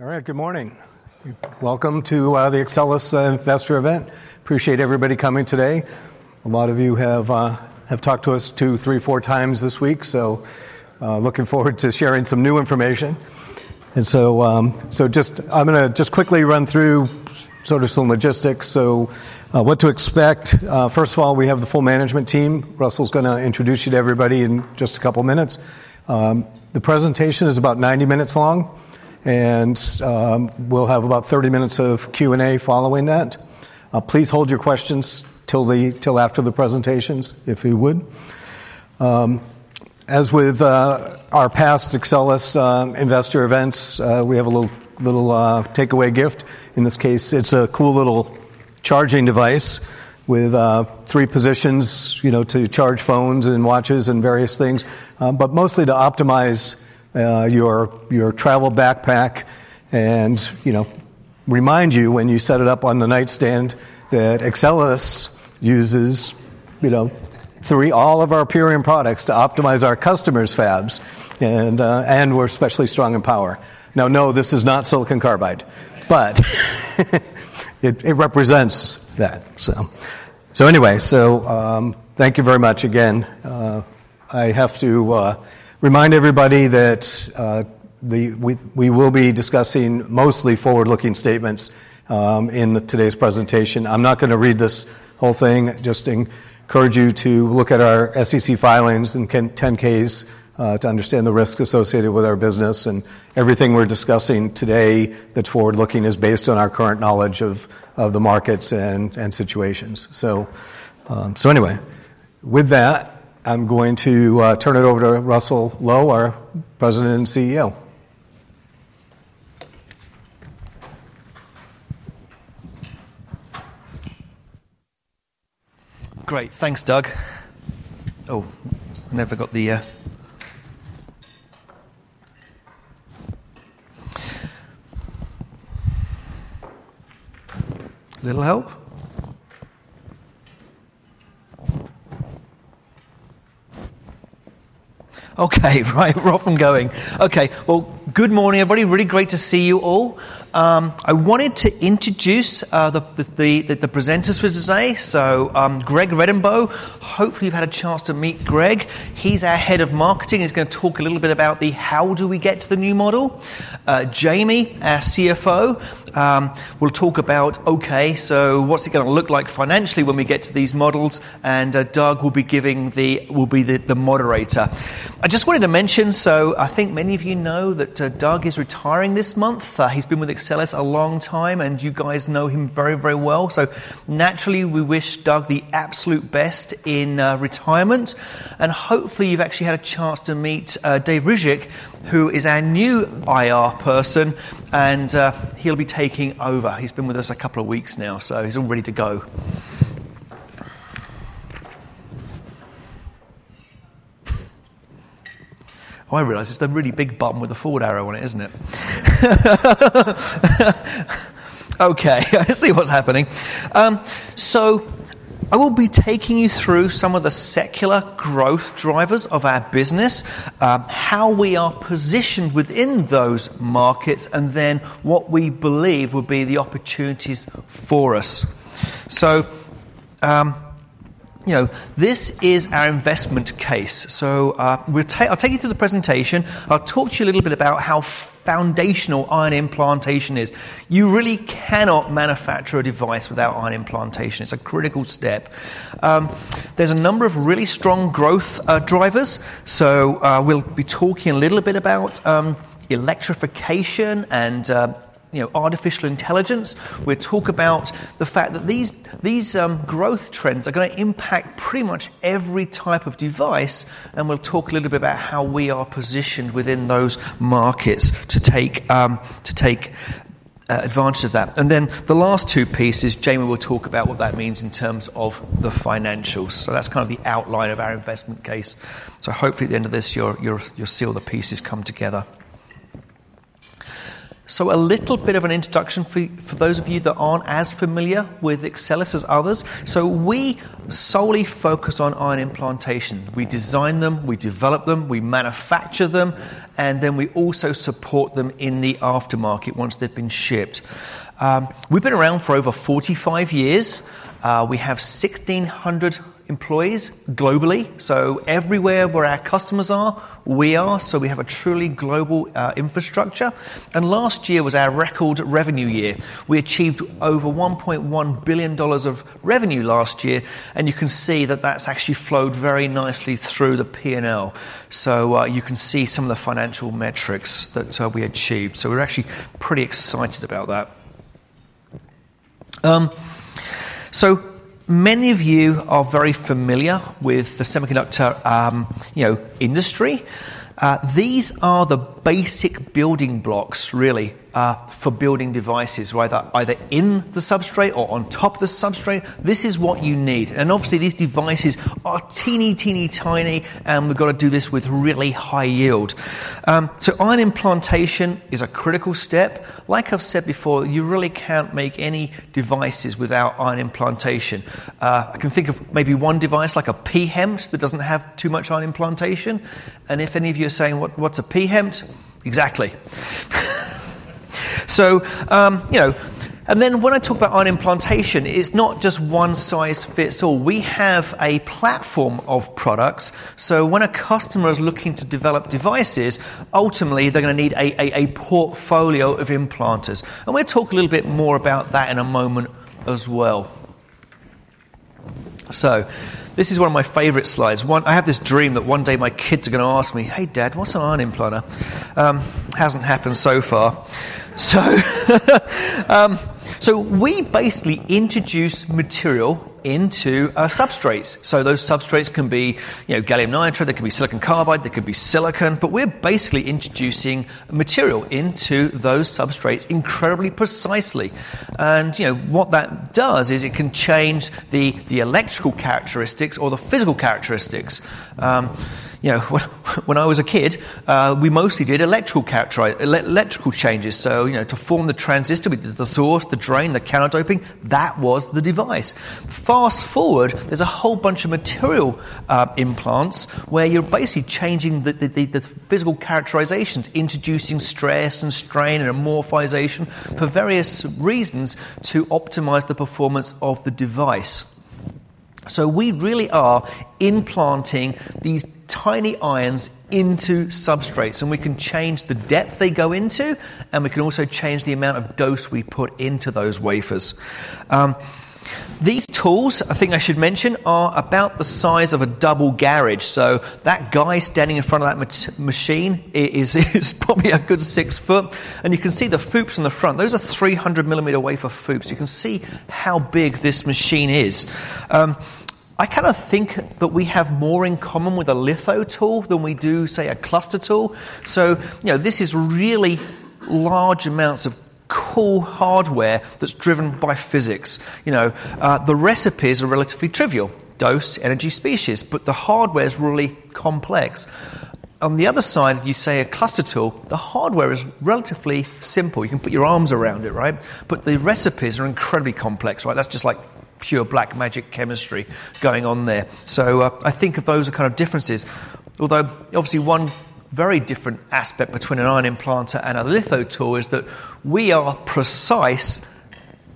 All right, good morning. Welcome to the Axcelis Investor Event. Appreciate everybody coming today. A lot of you have talked to us two, three, four times this week, so looking forward to sharing some new information. I'm gonna just quickly run through sort of some logistics. So what to expect? First of all, we have the full management team. Russell's gonna introduce you to everybody in just a couple of minutes. The presentation is about 90 minutes long, and we'll have about 30 minutes of Q&A following that. Please hold your questions till after the presentations, if you would. As with our past Axcelis investor events, we have a little takeaway gift. In this case, it's a cool little charging device with three positions, you know, to charge phones and watches and various things. But mostly to optimize your travel backpack and, you know, remind you, when you set it up on the nightstand, that Axcelis uses, you know, three all of our Purion products to optimize our customers' fabs and we're especially strong in power. Now, no, this is not silicon carbide, but it represents that, so. So anyway, thank you very much again. I have to remind everybody that we will be discussing mostly forward-looking statements in today's presentation. I'm not gonna read this whole thing, just encourage you to look at our SEC filings and 10-Ks to understand the risks associated with our business and everything we're discussing today that's forward-looking is based on our current knowledge of the markets and situations. So anyway, with that, I'm going to turn it over to Russell Low, our President and CEO. Great. Thanks, Doug. Oh, never got the, A little help? Okay, right, we're off and going. Okay, well, good morning, everybody. Really great to see you all. I wanted to introduce the presenters for today. So, Greg Redenbaugh, hopefully, you've had a chance to meet Greg. He's our head of marketing. He's gonna talk a little bit about the how do we get to the new model. Jamie, our CFO, will talk about, okay, so what's it gonna look like financially when we get to these models? And, Doug will be the moderator. I just wanted to mention, so I think many of you know that, Doug is retiring this month. He's been with Axcelis a long time, and you guys know him very, very well. So naturally, we wish Doug the absolute best in retirement. And hopefully, you've actually had a chance to meet Dave Ryzhik, who is our new IR person, and he'll be taking over. He's been with us a couple of weeks now, so he's all ready to go. Oh, I realize it's the really big button with a forward arrow on it, isn't it? Okay, I see what's happening. So I will be taking you through some of the secular growth drivers of our business, how we are positioned within those markets, and then what we believe will be the opportunities for us. So, you know, this is our investment case. So, I'll take you through the presentation. I'll talk to you a little bit about how foundational ion implantation is. You really cannot manufacture a device without ion implantation. It's a critical step. There's a number of really strong growth drivers. So, we'll be talking a little bit about electrification and, you know, artificial intelligence. We'll talk about the fact that these growth trends are gonna impact pretty much every type of device, and we'll talk a little bit about how we are positioned within those markets to take advantage of that. And then the last two pieces, Jamie will talk about what that means in terms of the financials. So that's kind of the outline of our investment case. So hopefully, at the end of this, you'll see all the pieces come together. So a little bit of an introduction for those of you that aren't as familiar with Axcelis as others. So we solely focus on ion implantation. We design them, we develop them, we manufacture them, and then we also support them in the aftermarket once they've been shipped. We've been around for over 45 years. We have 1,600 employees globally, so everywhere where our customers are, we are, so we have a truly global infrastructure. And last year was our record revenue year. We achieved over $1.1 billion of revenue last year, and you can see that that's actually flowed very nicely through the P&L. So, you can see some of the financial metrics that we achieved. So we're actually pretty excited about that. So many of you are very familiar with the semiconductor, you know, industry. These are the basic building blocks, really, for building devices, whether either in the substrate or on top of the substrate, this is what you need. And obviously, these devices are teeny, teeny, tiny, and we've got to do this with really high yield. So ion implantation is a critical step. Like I've said before, you really can't make any devices without ion implantation. I can think of maybe one device, like a pHEMT, that doesn't have too much ion implantation. And if any of you are saying, "What, what's a pHEMT?" Exactly. So, you know, and then when I talk about ion implantation, it's not just one size fits all. We have a platform of products, so when a customer is looking to develop devices, ultimately, they're gonna need a portfolio of implanters. And we'll talk a little bit more about that in a moment as well. So this is one of my favorite slides. One, I have this dream that one day my kids are gonna ask me, "Hey, Dad, what's an ion implanter?" Hasn't happened so far. So, so we basically introduce material into substrates. So those substrates can be, you know, gallium nitride, they can be silicon carbide, they could be silicon, but we're basically introducing material into those substrates incredibly precisely. And, you know, what that does is it can change the, the electrical characteristics or the physical characteristics. You know, when I was a kid, we mostly did electrical changes. So, you know, to form the transistor with the, the source, the drain, the counterdoping, that was the device. Fast forward, there's a whole bunch of material implants, where you're basically changing the physical characterizations, introducing stress and strain and amorphization for various reasons to optimize the performance of the device. So we really are implanting these tiny ions into substrates, and we can change the depth they go into, and we can also change the amount of dose we put into those wafers. These tools, I think I should mention, are about the size of a double garage. So that guy standing in front of that machine is probably a good 6 foot, and you can see the FOUPs in the front. Those are 300 millimeter wafer FOUPs. You can see how big this machine is. I kind of think that we have more in common with a litho tool than we do, say, a cluster tool. So, you know, this is really large amounts of cool hardware that's driven by physics. You know, the recipes are relatively trivial: dose, energy, species, but the hardware is really complex. On the other side, you say a cluster tool, the hardware is relatively simple. You can put your arms around it, right? But the recipes are incredibly complex, right? That's just like pure black magic chemistry going on there. So, I think of those are kind of differences. Although, obviously, one very different aspect between an ion implanter and a litho tool is that we are precise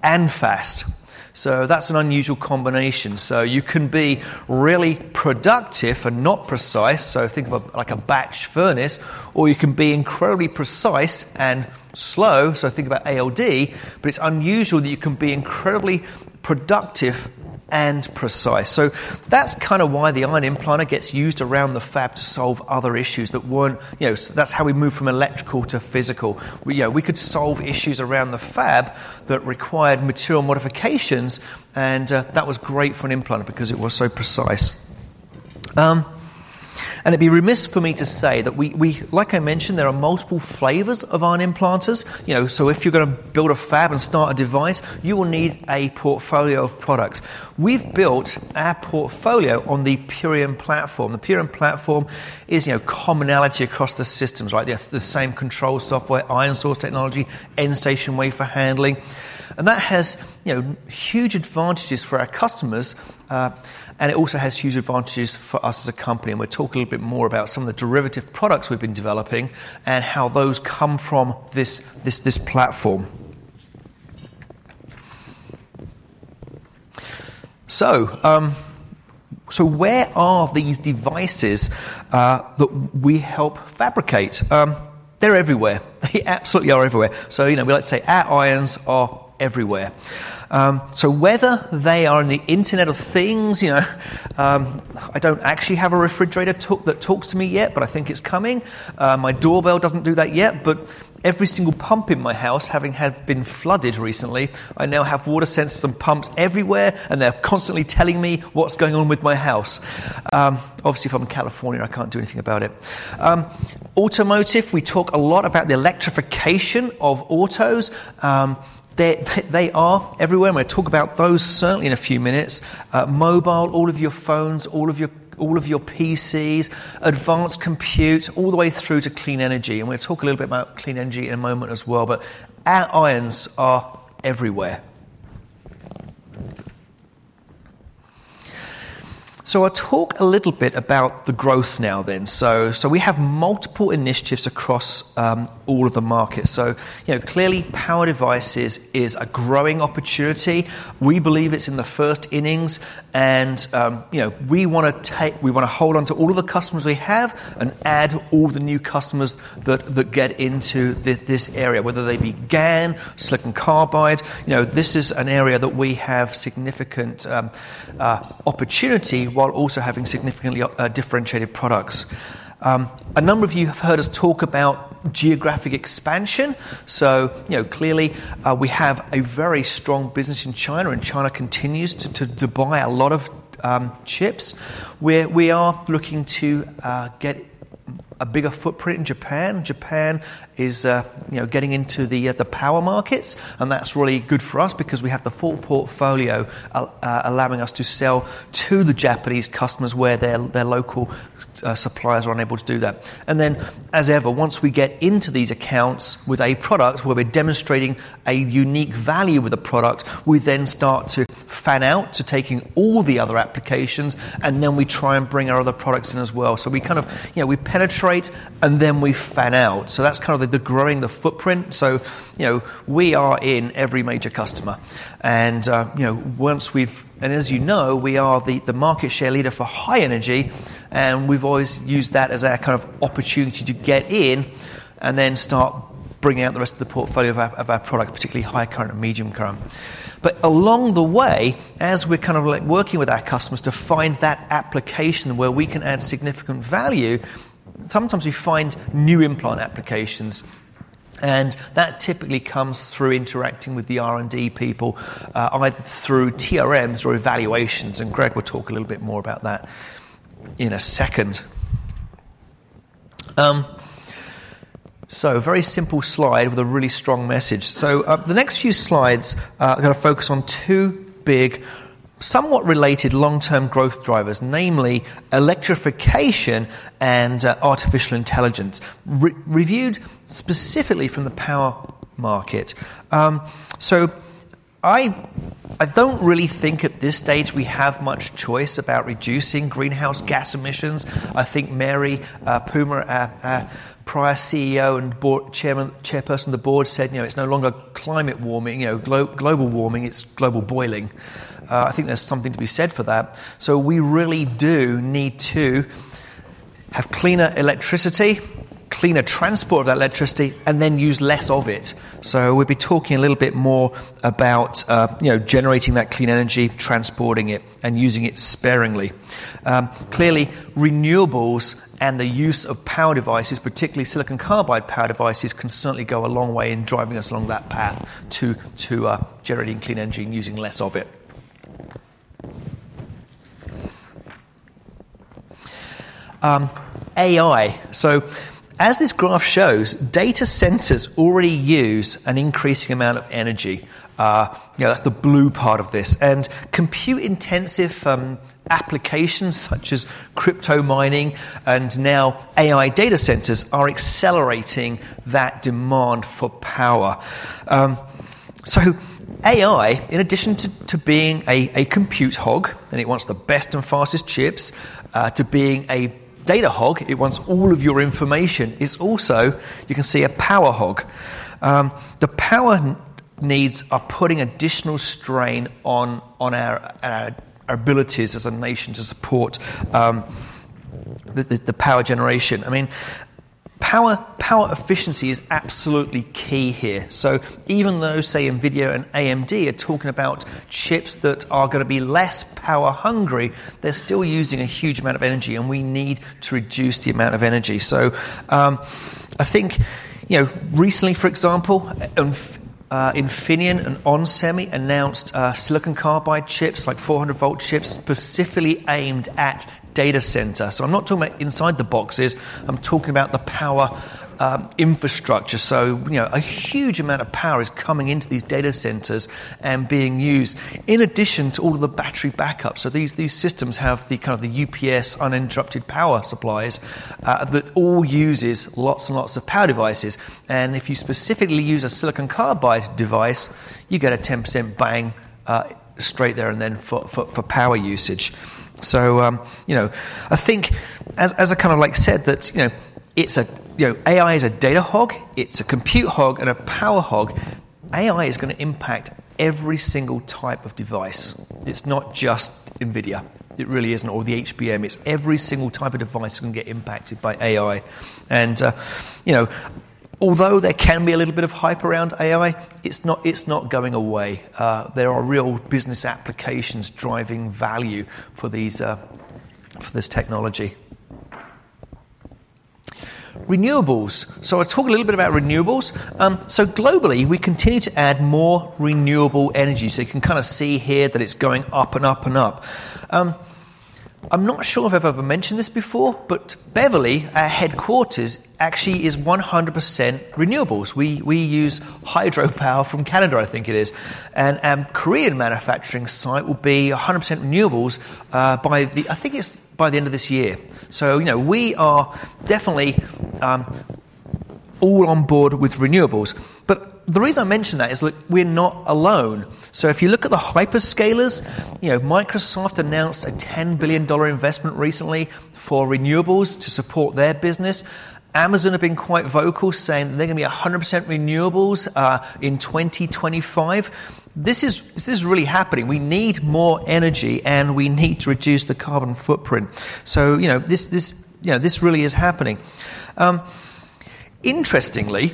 and fast. So that's an unusual combination. So you can be really productive and not precise, so think of a, like a batch furnace, or you can be incredibly precise and slow, so think about ALD, but it's unusual that you can be incredibly productive and precise. So that's kind of why the ion implanter gets used around the fab to solve other issues that weren't. You know, that's how we moved from electrical to physical. We, you know, we could solve issues around the fab that required material modifications, and that was great for an implanter because it was so precise. And it'd be remiss for me to say that we, like I mentioned, there are multiple flavors of ion implanters. You know, so if you're gonna build a fab and start a device, you will need a portfolio of products. We've built our portfolio on the Purion platform. The Purion platform is, you know, commonality across the systems, right? There's the same control software, ion source technology, end-station wafer handling, and that has, you know, huge advantages for our customers, and it also has huge advantages for us as a company, and we'll talk a little bit more about some of the derivative products we've been developing and how those come from this, this, this platform. So, so where are these devices that we help fabricate? They're everywhere. They absolutely are everywhere. So, you know, we like to say our ions are everywhere. So whether they are in the Internet of Things, you know, I don't actually have a refrigerator that talks to me yet, but I think it's coming. My doorbell doesn't do that yet, but every single pump in my house, having had been flooded recently, I now have water sensors and pumps everywhere, and they're constantly telling me what's going on with my house. Obviously, if I'm in California, I can't do anything about it. Automotive, we talk a lot about the electrification of autos. They, they are everywhere, and we'll talk about those certainly in a few minutes. Mobile, all of your phones, all of your, all of your PCs, advanced compute, all the way through to clean energy, and we'll talk a little bit about clean energy in a moment as well, but our ions are everywhere. So I'll talk a little bit about the growth now then. So, so we have multiple initiatives across, all of the markets. So, you know, clearly, power devices is a growing opportunity. We believe it's in the first innings, and you know, we wanna hold on to all of the customers we have and add all the new customers that get into this area, whether they be GaN, silicon carbide, you know, this is an area that we have significant opportunity, while also having significantly differentiated products. A number of you have heard us talk about geographic expansion. So, you know, clearly, we have a very strong business in China, and China continues to buy a lot of chips. We are looking to get a bigger footprint in Japan. Japan is, you know, getting into the power markets, and that's really good for us because we have the full portfolio, allowing us to sell to the Japanese customers where their local suppliers are unable to do that. And then, as ever, once we get into these accounts with a product, where we're demonstrating a unique value with the product, we then start to fan out to taking all the other applications, and then we try and bring our other products in as well. So we kind of, you know, we penetrate, and then we fan out. So that's kind of the growing footprint. So, you know, we are in every major customer, and, you know, once we've. As you know, we are the market share leader for high energy, and we've always used that as our kind of opportunity to get in and then start bringing out the rest of the portfolio of our product, particularly high current and medium current. But along the way, as we're kind of like working with our customers to find that application where we can add significant value, sometimes we find new implant applications, and that typically comes through interacting with the R&D people, either through TRMs or evaluations, and Greg will talk a little bit more about that in a second. Very simple slide with a really strong message. The next few slides are gonna focus on two big, somewhat related long-term growth drivers, namely electrification and artificial intelligence, reviewed specifically from the power market. So I don't really think at this stage we have much choice about reducing greenhouse gas emissions. I think Mary Puma, our prior CEO and board chairman, chairperson of the board, said, "You know, it's no longer climate warming, you know, global warming, it's global boiling." I think there's something to be said for that. So we really do need to have cleaner electricity, cleaner transport of that electricity, and then use less of it. So we'll be talking a little bit more about, you know, generating that clean energy, transporting it, and using it sparingly. Clearly, renewables and the use of power devices, particularly silicon carbide power devices, can certainly go a long way in driving us along that path to generating clean energy and using less of it. AI. So as this graph shows, data centers already use an increasing amount of energy. You know, that's the blue part of this. And compute-intensive applications, such as crypto mining and now AI data centers, are accelerating that demand for power. So AI, in addition to being a compute hog, and it wants the best and fastest chips, to being a data hog, it wants all of your information, is also, you can see, a power hog. The power needs are putting additional strain on our abilities as a nation to support the power generation. I mean, power efficiency is absolutely key here. So even though, say, NVIDIA and AMD are talking about chips that are gonna be less power hungry, they're still using a huge amount of energy, and we need to reduce the amount of energy. So, I think, you know, recently, for example, Infineon and onsemi announced silicon carbide chips, like 400-volt chips, specifically aimed at data center. So I'm not talking about inside the boxes, I'm talking about the power infrastructure. So, you know, a huge amount of power is coming into these data centers and being used in addition to all of the battery backup. So these, these systems have the kind of the UPS, uninterrupted power supplies, that all uses lots and lots of power devices. And if you specifically use a silicon carbide device, you get a 10% bang straight there and then for power usage. So you know, I think as I kind of like said that, you know, it's a, You know, AI is a data hog, it's a compute hog, and a power hog. AI is gonna impact every single type of device. It's not just NVIDIA. It really isn't, or the HBM. It's every single type of device can get impacted by AI. And you know, although there can be a little bit of hype around AI, it's not, it's not going away. There are real business applications driving value for these, for this technology. Renewables. So I'll talk a little bit about renewables. So globally, we continue to add more renewable energy. So you can kinda see here that it's going up and up and up. I'm not sure if I've ever mentioned this before, but Beverly, our headquarters, actually is 100% renewables. We use hydropower from Canada, I think it is. Korean manufacturing site will be 100% renewables by the end of this year, I think. So, you know, we are definitely all on board with renewables. But the reason I mention that is look, we're not alone. So if you look at the hyperscalers, you know, Microsoft announced a $10 billion investment recently for renewables to support their business. Amazon have been quite vocal, saying they're gonna be 100% renewables in 2025. This is really happening. We need more energy, and we need to reduce the carbon footprint. So, you know, this really is happening. Interestingly,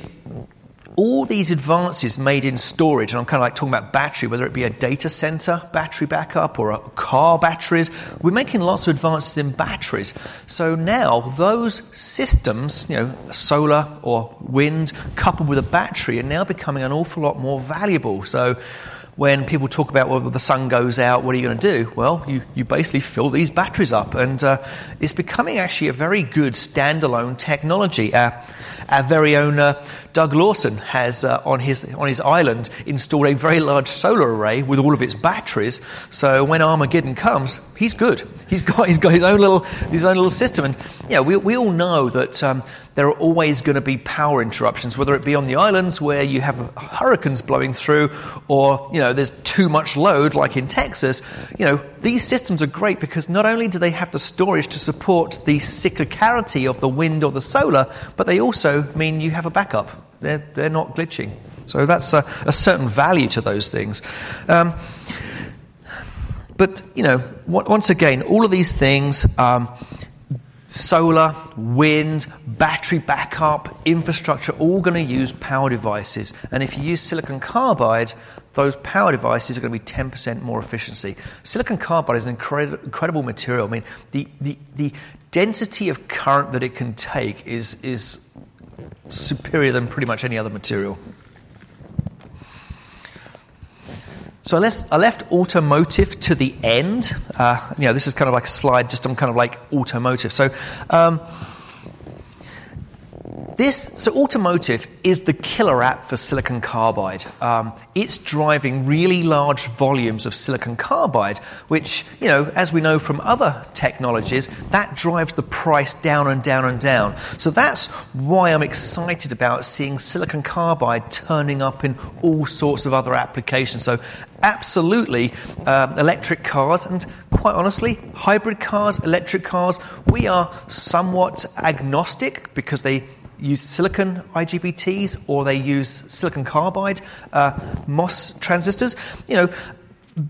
all these advances made in storage, and I'm kinda like talking about battery, whether it be a data center, battery backup, or car batteries, we're making lots of advances in batteries. So now those systems, you know, solar or wind, coupled with a battery, are now becoming an awful lot more valuable. So when people talk about, "Well, the sun goes out, what are you gonna do?" Well, you basically fill these batteries up, and it's becoming actually a very good standalone technology. Our very own Doug Lawson has on his island installed a very large solar array with all of its batteries. So when Armageddon comes, he's good. He's got his own little system. You know, we all know that there are always gonna be power interruptions, whether it be on the islands, where you have hurricanes blowing through or, you know, there's too much load, like in Texas. You know, these systems are great because not only do they have the storage to support the cyclicality of the wind or the solar, but they also mean you have a backup. They're not glitching. So that's a certain value to those things. You know, once again, all of these things, solar, wind, battery backup, infrastructure, all going to use power devices. And if you use silicon carbide, those power devices are going to be 10% more efficiency. Silicon carbide is an incredible material. I mean, the density of current that it can take is superior than pretty much any other material. So I left automotive to the end. You know, this is kind of like a slide, just on kind of like automotive. So, this, so automotive is the killer app for silicon carbide. It's driving really large volumes of silicon carbide, which, you know, as we know from other technologies, that drives the price down and down and down. So that's why I'm excited about seeing silicon carbide turning up in all sorts of other applications. So absolutely, electric cars and quite honestly, hybrid cars, electric cars, we are somewhat agnostic because they use silicon IGBTs, or they use silicon carbide, MOS transistors. You know,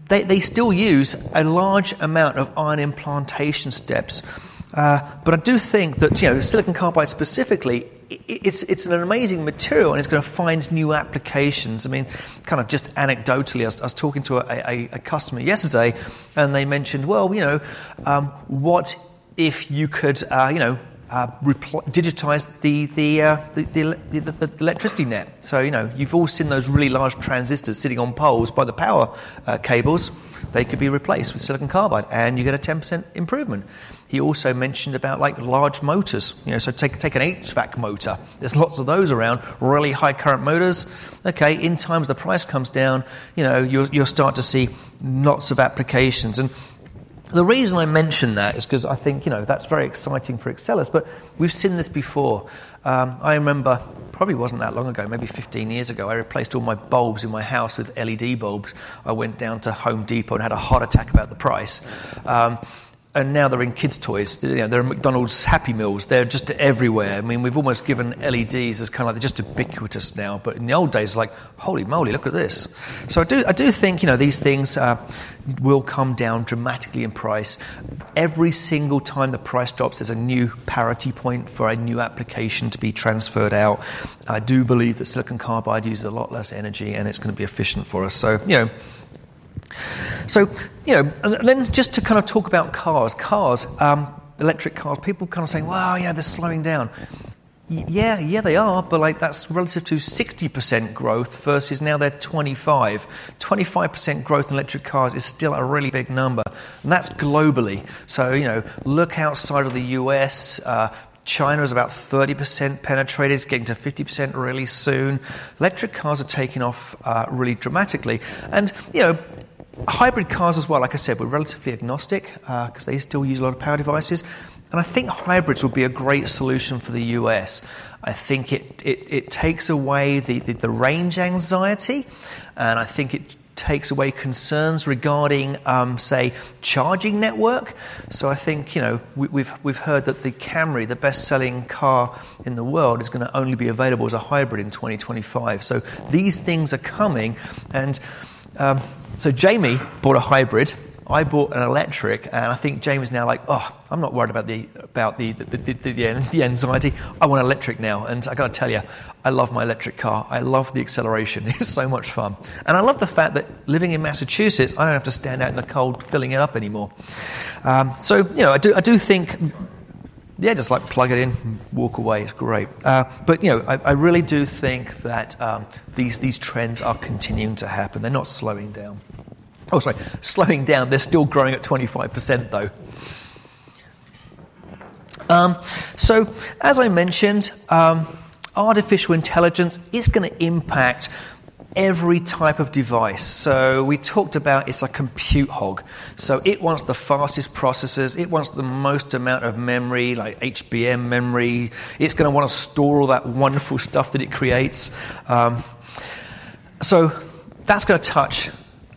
they still use a large amount of ion implantation steps. But I do think that, you know, silicon carbide specifically, it's an amazing material, and it's going to find new applications. I mean, kind of just anecdotally, I was talking to a customer yesterday, and they mentioned, "Well, you know, what if you could, you know, digitize the electricity net?" So, you know, you've all seen those really large transistors sitting on poles by the power cables. They could be replaced with silicon carbide, and you get a 10% improvement. He also mentioned about, like, large motors. You know, so take an HVAC motor. There's lots of those around, really high current motors. Okay, in time, as the price comes down, you know, you'll start to see lots of applications. And the reason I mention that is 'cause I think, you know, that's very exciting for Axcelis, but we've seen this before. I remember, probably wasn't that long ago, maybe 15 years ago, I replaced all my bulbs in my house with LED bulbs. I went down to Home Depot and had a heart attack about the price. And now they're in kids' toys. They're, you know, they're in McDonald's Happy Meals. They're just everywhere. I mean, we've almost given LEDs as kind of like they're just ubiquitous now, but in the old days, like, "Holy moly, look at this!" So I do, I do think, you know, these things will come down dramatically in price. Every single time the price drops, there's a new parity point for a new application to be transferred out. I do believe that silicon carbide uses a lot less energy, and it's going to be efficient for us. So, you know, so, you know, and then just to kind of talk about cars. Cars, electric cars, people kind of saying, "Well, you know, they're slowing down." Yeah, yeah, they are, but, like, that's relative to 60% growth versus now they're 25. 25% growth in electric cars is still a really big number, and that's globally. So, you know, look outside of the US. China is about 30% penetrated, it's getting to 50% really soon. Electric cars are taking off, really dramatically. And, you know, hybrid cars as well, like I said, we're relatively agnostic, 'cause they still use a lot of power devices, and I think hybrids will be a great solution for the US. I think it takes away the range anxiety, and I think it takes away concerns regarding, say, charging network. So I think, you know, we've heard that the Camry, the best-selling car in the world, is going to only be available as a hybrid in 2025. So these things are coming. And so Jamie bought a hybrid, I bought an electric, and I think Jamie is now like, "Oh, I'm not worried about the end anxiety. I want electric now." And I got to tell you, I love my electric car. I love the acceleration; it's so much fun. And I love the fact that living in Massachusetts, I don't have to stand out in the cold, filling it up anymore. So, you know, I do think. Yeah, just, like, plug it in and walk away. It's great. But, you know, I really do think that these trends are continuing to happen. They're not slowing down. Sorry, slowing down. They're still growing at 25%, though. So as I mentioned, artificial intelligence is going to impact every type of device. So we talked about it's a compute hog, so it wants the fastest processors, it wants the most amount of memory, like HBM memory. It's going to want to store all that wonderful stuff that it creates. So that's going to touch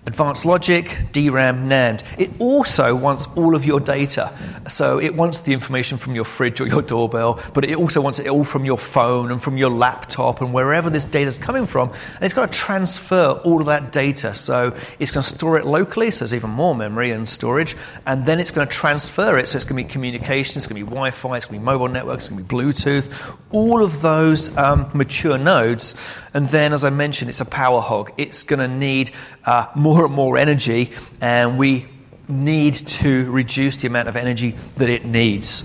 advanced logic, DRAM, NAND. It also wants all of your data, so it wants the information from your fridge or your doorbell, but it also wants it all from your phone and from your laptop and wherever this data is coming from, and it's got to transfer all of that data. So it's going to store it locally, so there's even more memory and storage, and then it's going to transfer it. So it's going to be communication, it's going to be Wi-Fi, it's going to be mobile networks, it's going to be Bluetooth, all of those, mature nodes. And then, as I mentioned, it's a power hog. It's going to need more and more energy, and we need to reduce the amount of energy that it needs.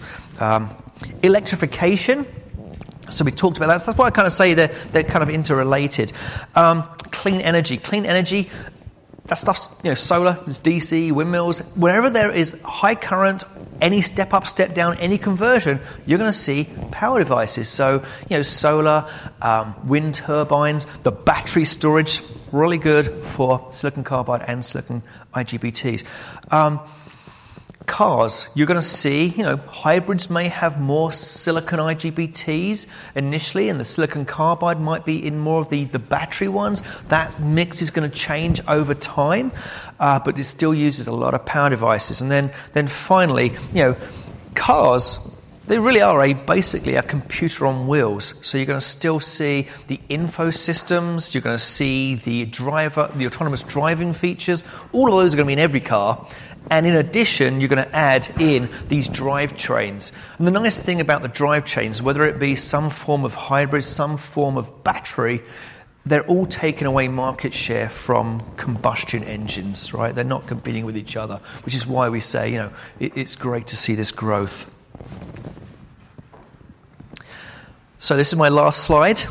Electrification, so we talked about that. So that's why I kind of say they're, they're kind of interrelated. Clean energy. Clean energy, that stuff's, you know, solar, it's DC, windmills. Wherever there is high current, any step up, step down, any conversion, you're going to see power devices. So, you know, solar, wind turbines, the battery storage, really good for silicon carbide and silicon IGBTs. Cars, you're going to see, you know, hybrids may have more silicon IGBTs initially, and the silicon carbide might be in more of the battery ones. That mix is going to change over time, but it still uses a lot of power devices. And then finally, you know, cars. They really are basically a computer on wheels. So you're gonna still see the info systems, you're gonna see the driver, the autonomous driving features. All of those are gonna be in every car, and in addition, you're gonna add in these drivetrains. The nice thing about the drivetrains, whether it be some form of hybrid, some form of battery, they're all taking away market share from combustion engines, right? They're not competing with each other, which is why we say, you know, it, it's great to see this growth. So this is my last slide.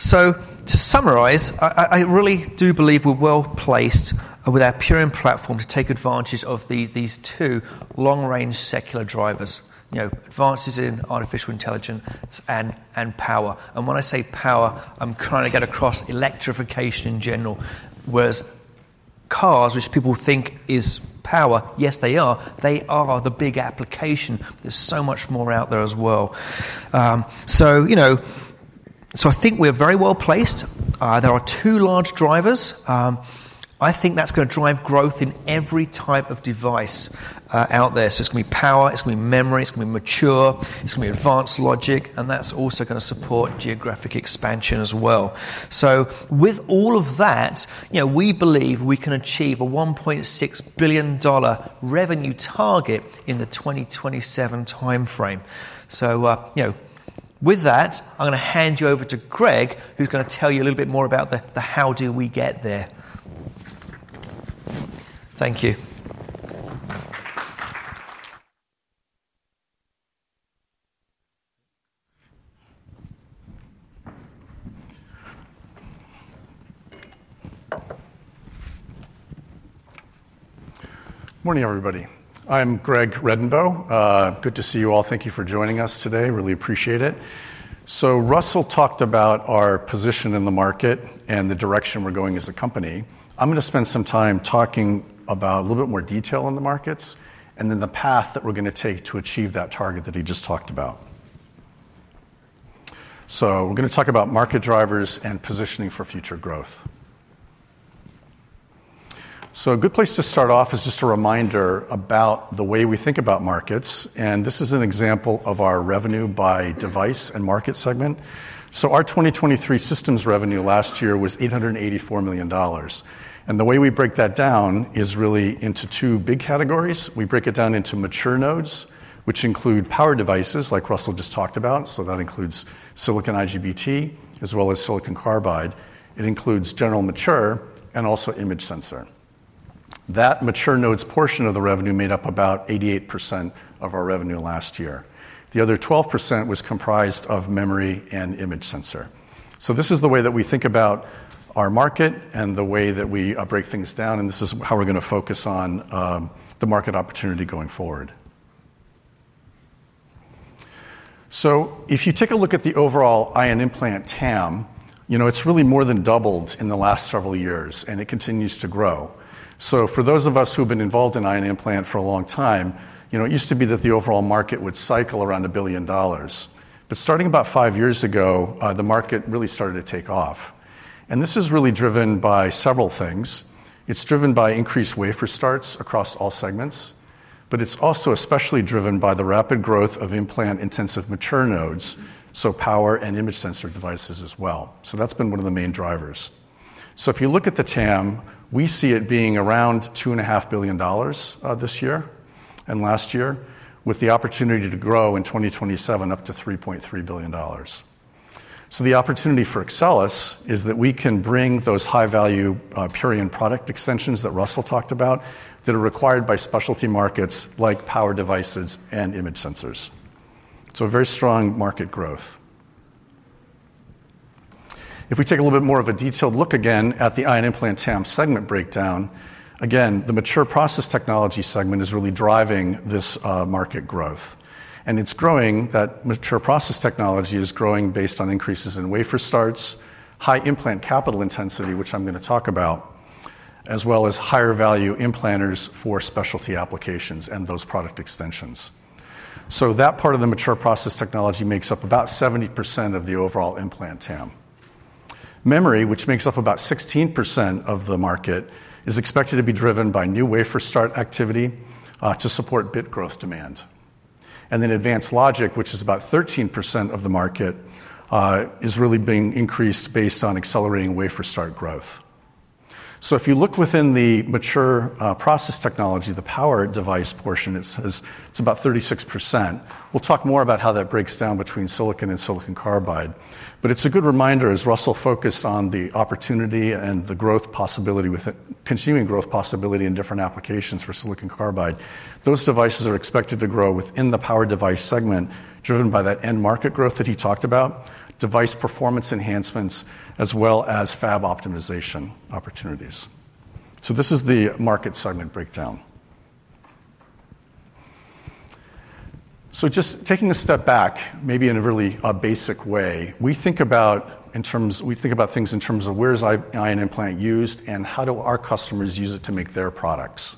So to summarize, I really do believe we're well-placed with our Purion Platform to take advantage of these two long-range secular drivers, you know, advances in artificial intelligence and power. And when I say power, I'm trying to get across electrification in general. Whereas cars, which people think is power, yes, they are. They are the big application. There's so much more out there as well. So, you know, so I think we're very well placed. There are two large drivers. I think that's gonna drive growth in every type of device out there. So it's gonna be power, it's gonna be memory, it's gonna be mature, it's gonna be advanced logic, and that's also gonna support geographic expansion as well. So with all of that, you know, we believe we can achieve a $1.6 billion revenue target in the 2027 timeframe. So, you know, with that, I'm gonna hand you over to Greg, who's gonna tell you a little bit more about how do we get there. Thank you. Morning, everybody. I'm Greg Redenbaugh. Good to see you all. Thank you for joining us today. Really appreciate it. So Russell talked about our position in the market and the direction we're going as a company. I'm gonna spend some time talking about a little bit more detail on the markets, and then the path that we're gonna take to achieve that target that he just talked about. So we're gonna talk about market drivers and positioning for future growth. So a good place to start off is just a reminder about the way we think about markets, and this is an example of our revenue by device and market segment. So our 2023 systems revenue last year was $884 million, and the way we break that down is really into two big categories. We break it down into mature nodes, which include power devices, like Russell just talked about. So that includes silicon IGBT, as well as silicon carbide. It includes general mature and also image sensor. That mature nodes portion of the revenue made up about 88% of our revenue last year. The other 12% was comprised of memory and image sensor. So this is the way that we think about our market and the way that we break things down, and this is how we're gonna focus on the market opportunity going forward. So if you take a look at the overall ion implant TAM, you know, it's really more than doubled in the last several years, and it continues to grow. So for those of us who've been involved in ion implant for a long time, you know, it used to be that the overall market would cycle around $1 billion. But starting about 5 years ago, the market really started to take off. And this is really driven by several things. It's driven by increased wafer starts across all segments, but it's also especially driven by the rapid growth of implant-intensive mature nodes, so power and image sensor devices as well. So that's been one of the main drivers. So if you look at the TAM, we see it being around $2.5 billion this year and last year, with the opportunity to grow in 2027 up to $3.3 billion. So the opportunity for Axcelis is that we can bring those high-value, Purion product extensions that Russell talked about, that are required by specialty markets like power devices and image sensors. So a very strong market growth. If we take a little bit more of a detailed look again at the ion implant TAM segment breakdown, again, the mature process technology segment is really driving this, market growth. And it's growing, that mature process technology is growing based on increases in wafer starts, high implant capital intensity, which I'm gonna talk about, as well as higher value implanters for specialty applications and those product extensions. So that part of the mature process technology makes up about 70% of the overall implant TAM. Memory, which makes up about 16% of the market, is expected to be driven by new wafer start activity to support bit growth demand. And then advanced logic, which is about 13% of the market, is really being increased based on accelerating wafer start growth. So if you look within the mature process technology, the power device portion, it says it's about 36%. We'll talk more about how that breaks down between silicon and silicon carbide. But it's a good reminder, as Russell focused on the opportunity and the growth possibility with it, continuing growth possibility in different applications for silicon carbide. Those devices are expected to grow within the power device segment, driven by that end market growth that he talked about, device performance enhancements, as well as fab optimization opportunities. So this is the market segment breakdown. So just taking a step back, maybe in a really basic way, we think about in terms—we think about things in terms of where is ion implant used and how do our customers use it to make their products?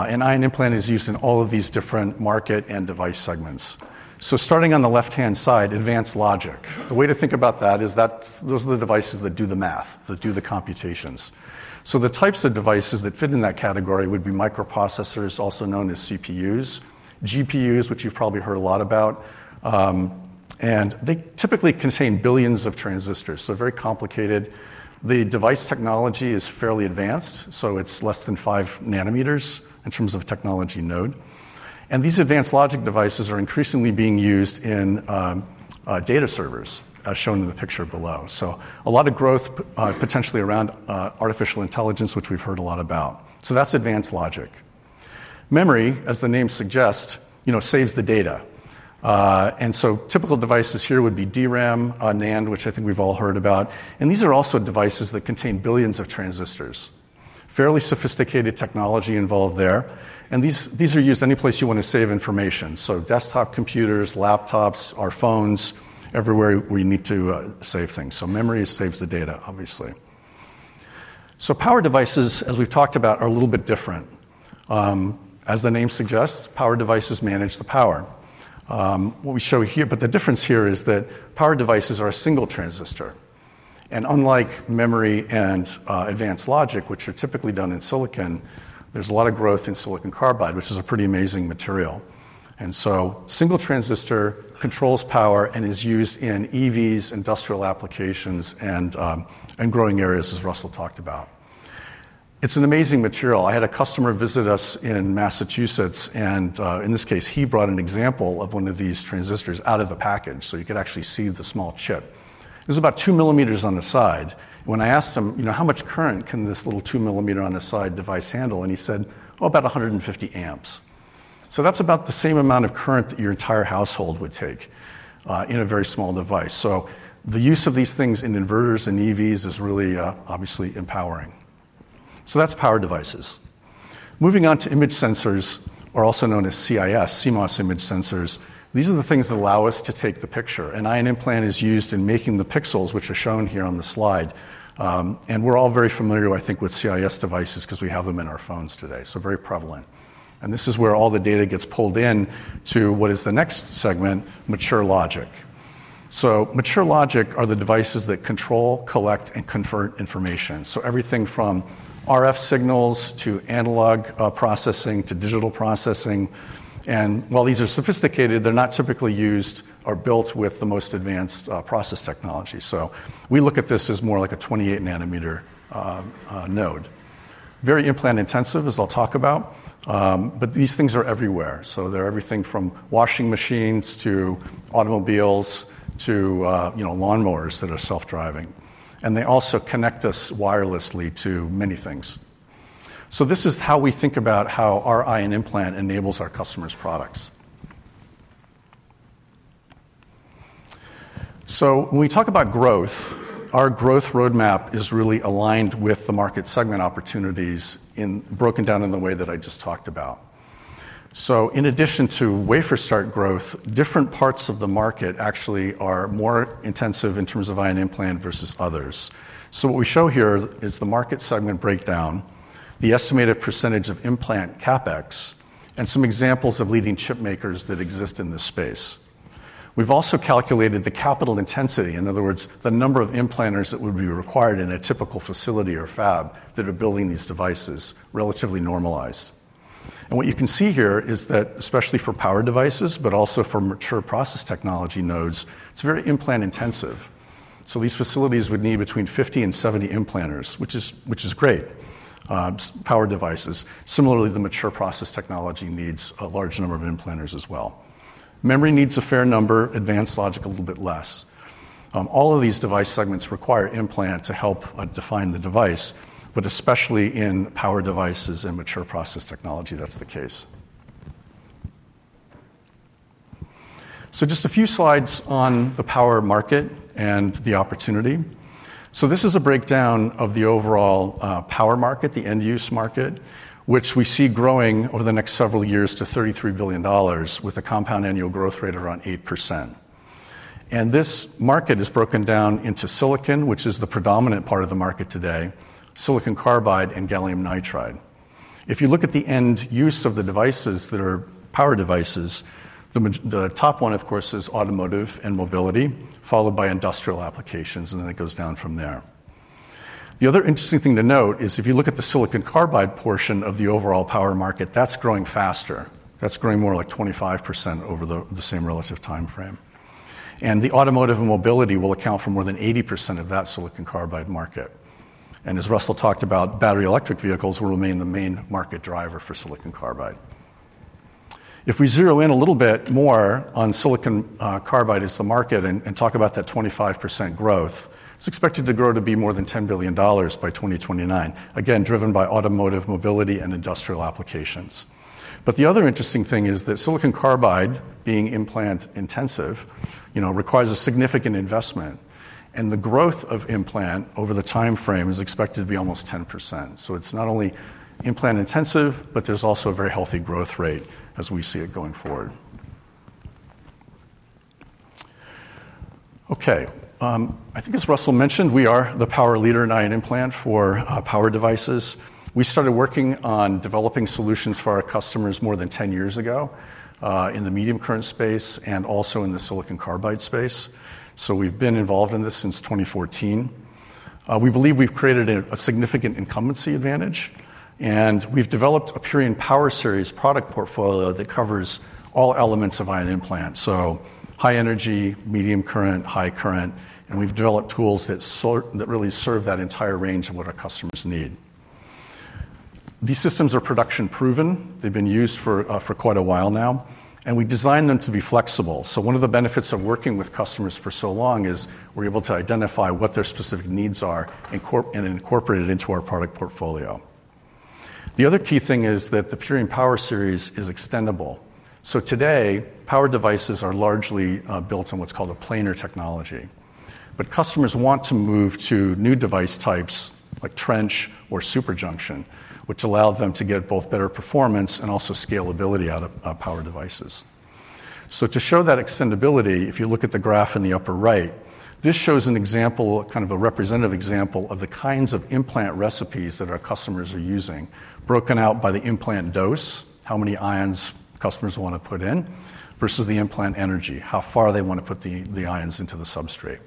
An ion implant is used in all of these different market and device segments. So starting on the left-hand side, Advanced Logic. The way to think about that is that's, those are the devices that do the math, that do the computations. So the types of devices that fit in that category would be microprocessors, also known as CPUs, GPUs, which you've probably heard a lot about, and they typically contain billions of transistors, so very complicated. The device technology is fairly advanced, so it's less than five nanometers in terms of technology node. These advanced logic devices are increasingly being used in data servers, as shown in the picture below. So a lot of growth potentially around artificial intelligence, which we've heard a lot about. So that's Advanced Logic. Memory, as the name suggests, you know, saves the data. And so typical devices here would be DRAM, NAND, which I think we've all heard about, and these are also devices that contain billions of transistors. Fairly sophisticated technology involved there, and these are used any place you want to save information. So desktop computers, laptops, our phones, everywhere we need to save things. So memory saves the data, obviously. So power devices, as we've talked about, are a little bit different. As the name suggests, power devices manage the power. What we show here, but the difference here is that power devices are a single transistor, and unlike memory and advanced logic, which are typically done in silicon, there's a lot of growth in silicon carbide, which is a pretty amazing material. And so single transistor controls power and is used in EVs, industrial applications, and growing areas, as Russell talked about. It's an amazing material. I had a customer visit us in Massachusetts, and in this case, he brought an example of one of these transistors out of the package, so you could actually see the small chip. It was about 2 millimeters on the side, and when I asked him, "You know, how much current can this little 2 millimeter on the side device handle?" And he said, "Oh, about 150 amps." So that's about the same amount of current that your entire household would take in a very small device. So the use of these things in inverters and EVs is really, obviously empowering. So that's power devices. Moving on to image sensors, or also known as CIS, CMOS image sensors. These are the things that allow us to take the picture. An ion implant is used in making the pixels, which are shown here on the slide. And we're all very familiar, I think, with CIS devices because we have them in our phones today, so very prevalent. This is where all the data gets pulled in to what is the next segment, mature logic. So mature logic are the devices that control, collect, and convert information. So everything from RF signals to analog, processing to digital processing, and while these are sophisticated, they're not typically used or built with the most advanced, process technology. So we look at this as more like a 28 nanometer node. Very implant intensive, as I'll talk about, but these things are everywhere. So they're everything from washing machines to automobiles to, you know, lawnmowers that are self-driving, and they also connect us wirelessly to many things. So this is how we think about how our ion implant enables our customers' products. So when we talk about growth, our growth roadmap is really aligned with the market segment opportunities in, broken down in the way that I just talked about. So in addition to wafer start growth, different parts of the market actually are more intensive in terms of ion implant versus others. So what we show here is the market segment breakdown, the estimated percentage of implant CapEx, and some examples of leading chip makers that exist in this space. We've also calculated the capital intensity, in other words, the number of implanters that would be required in a typical facility or fab that are building these devices, relatively normalized. And what you can see here is that, especially for power devices, but also for mature process technology nodes, it's very implant intensive. So these facilities would need between 50 and 70 implanters, which is great, power devices. Similarly, the mature process technology needs a large number of implanters as well. Memory needs a fair number, advanced logic, a little bit less. All of these device segments require implant to help, define the device, but especially in power devices and mature process technology, that's the case. So just a few slides on the power market and the opportunity. So this is a breakdown of the overall, power market, the end-use market, which we see growing over the next several years to $33 billion, with a compound annual growth rate around 8%. This market is broken down into silicon, which is the predominant part of the market today, silicon carbide and gallium nitride. If you look at the end use of the devices that are power devices, the top one, of course, is automotive and mobility, followed by industrial applications, and then it goes down from there. The other interesting thing to note is if you look at the silicon carbide portion of the overall power market, that's growing faster. That's growing more like 25% over the same relative timeframe. And the automotive and mobility will account for more than 80% of that silicon carbide market. And as Russell talked about, battery electric vehicles will remain the main market driver for silicon carbide. If we zero in a little bit more on silicon carbide as the market and talk about that 25% growth, it's expected to grow to be more than $10 billion by 2029, again, driven by automotive, mobility, and industrial applications. But the other interesting thing is that silicon carbide, being implant intensive, you know, requires a significant investment, and the growth of implant over the timeframe is expected to be almost 10%. So it's not only implant intensive, but there's also a very healthy growth rate as we see it going forward. Okay. I think as Russell mentioned, we are the power leader in ion implant for power devices. We started working on developing solutions for our customers more than 10 years ago in the medium current space and also in the silicon carbide space. So we've been involved in this since 2014. We believe we've created a significant incumbency advantage, and we've developed a Purion Power Series product portfolio that covers all elements of ion implant. So high energy, medium current, high current, and we've developed tools that really serve that entire range of what our customers need. These systems are production proven. They've been used for quite a while now, and we designed them to be flexible. So one of the benefits of working with customers for so long is we're able to identify what their specific needs are, and incorporate it into our product portfolio. The other key thing is that the Purion Power Series is extendable. So today, power devices are largely built on what's called a planar technology. But customers want to move to new device types like trench or superjunction, which allow them to get both better performance and also scalability out of power devices. So to show that extendibility, if you look at the graph in the upper right, this shows an example, kind of a representative example, of the kinds of implant recipes that our customers are using, broken out by the implant dose, how many ions customers want to put in, versus the implant energy, how far they want to put the ions into the substrate.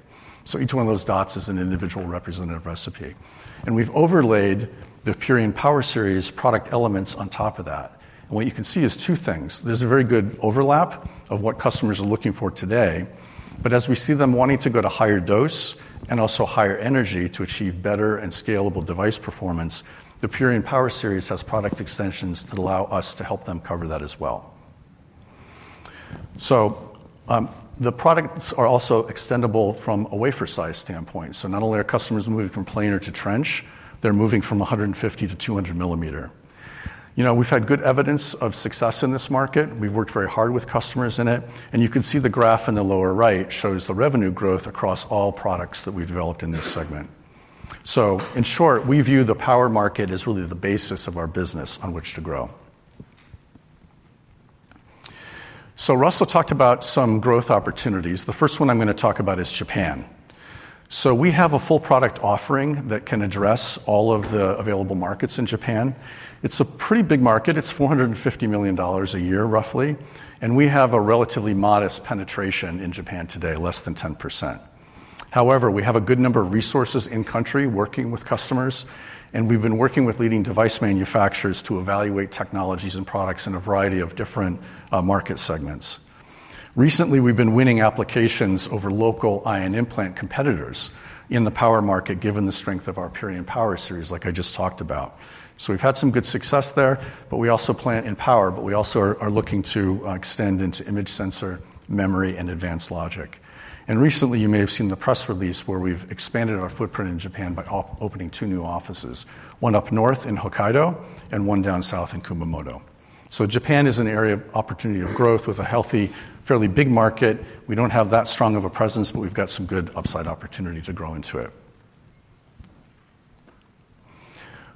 So each one of those dots is an individual representative recipe, and we've overlaid the Purion Power Series product elements on top of that. And what you can see is two things: there's a very good overlap of what customers are looking for today, but as we see them wanting to go to higher dose and also higher energy to achieve better and scalable device performance, the Purion Power Series has product extensions that allow us to help them cover that as well. So, the products are also extendable from a wafer size standpoint. So not only are customers moving from planar to trench, they're moving from 150 to 200 millimeter. You know, we've had good evidence of success in this market. We've worked very hard with customers in it, and you can see the graph in the lower right shows the revenue growth across all products that we've developed in this segment. So in short, we view the power market as really the basis of our business on which to grow. So Russell talked about some growth opportunities. The first one I'm going to talk about is Japan. So we have a full product offering that can address all of the available markets in Japan. It's a pretty big market. It's $450 million a year, roughly, and we have a relatively modest penetration in Japan today, less than 10%. However, we have a good number of resources in-country working with customers, and we've been working with leading device manufacturers to evaluate technologies and products in a variety of different market segments. Recently, we've been winning applications over local ion implant competitors in the power market, given the strength of our Purion Power Series, like I just talked about. So we've had some good success there, but we also plan in power, but we also are looking to extend into image sensor, memory, and advanced logic. And recently, you may have seen the press release where we've expanded our footprint in Japan by opening two new offices, one up north in Hokkaido and one down south in Kumamoto. So Japan is an area of opportunity of growth with a healthy, fairly big market. We don't have that strong of a presence, but we've got some good upside opportunity to grow into it.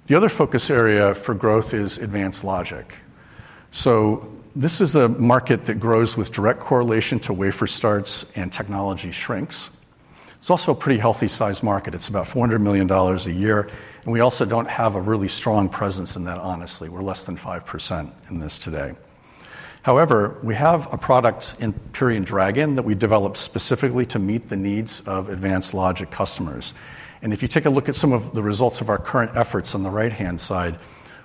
The other focus area for growth is Advanced Logic. So this is a market that grows with direct correlation to wafer starts and technology shrinks. It's also a pretty healthy size market. It's about $400 million a year, and we also don't have a really strong presence in that, honestly, we're less than 5% in this today. However, we have a product in Purion Dragon that we developed specifically to meet the needs of Advanced Logic customers. If you take a look at some of the results of our current efforts on the right-hand side,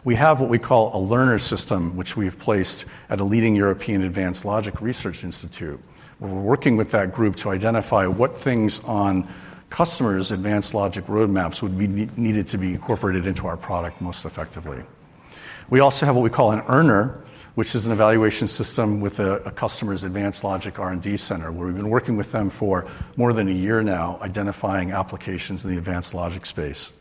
we have what we call a learner system, which we have placed at a leading European Advanced Logic research institute, where we're working with that group to identify what things on customers' Advanced Logic roadmaps would be needed to be incorporated into our product most effectively. We also have what we call a learner, which is an evaluation system with a customer's Advanced Logic R&D center, where we've been working with them for more than a year now, identifying applications in the Advanced Logic space.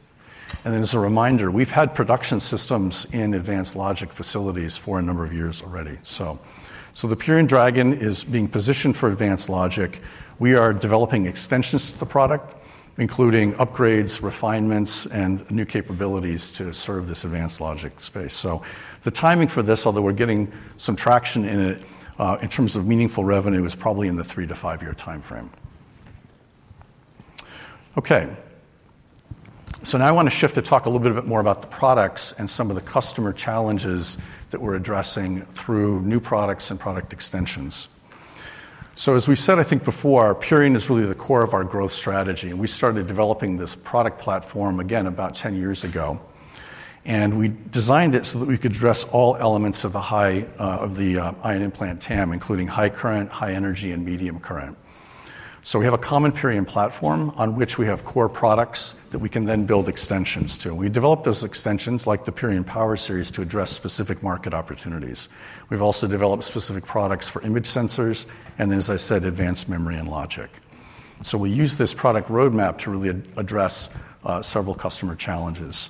And then as a reminder, we've had production systems in Advanced Logic facilities for a number of years already. So the Purion Dragon is being positioned for Advanced Logic. We are developing extensions to the product, including upgrades, refinements, and new capabilities to serve this advanced logic space. So the timing for this, although we're getting some traction in it, in terms of meaningful revenue, is probably in the 3- to 5-year timeframe. Okay, so now I want to shift to talk a little bit more about the products and some of the customer challenges that we're addressing through new products and product extensions. So as we've said, I think before, Purion is really the core of our growth strategy, and we started developing this product platform again about 10 years ago, and we designed it so that we could address all elements of the high, of the, ion implant TAM, including high current, high energy, and medium current. So we have a common Purion Platform on which we have core products that we can then build extensions to. We developed those extensions, like the Purion Power Series, to address specific market opportunities. We've also developed specific products for image sensors and, as I said, advanced memory and logic. So we use this product roadmap to really address several customer challenges.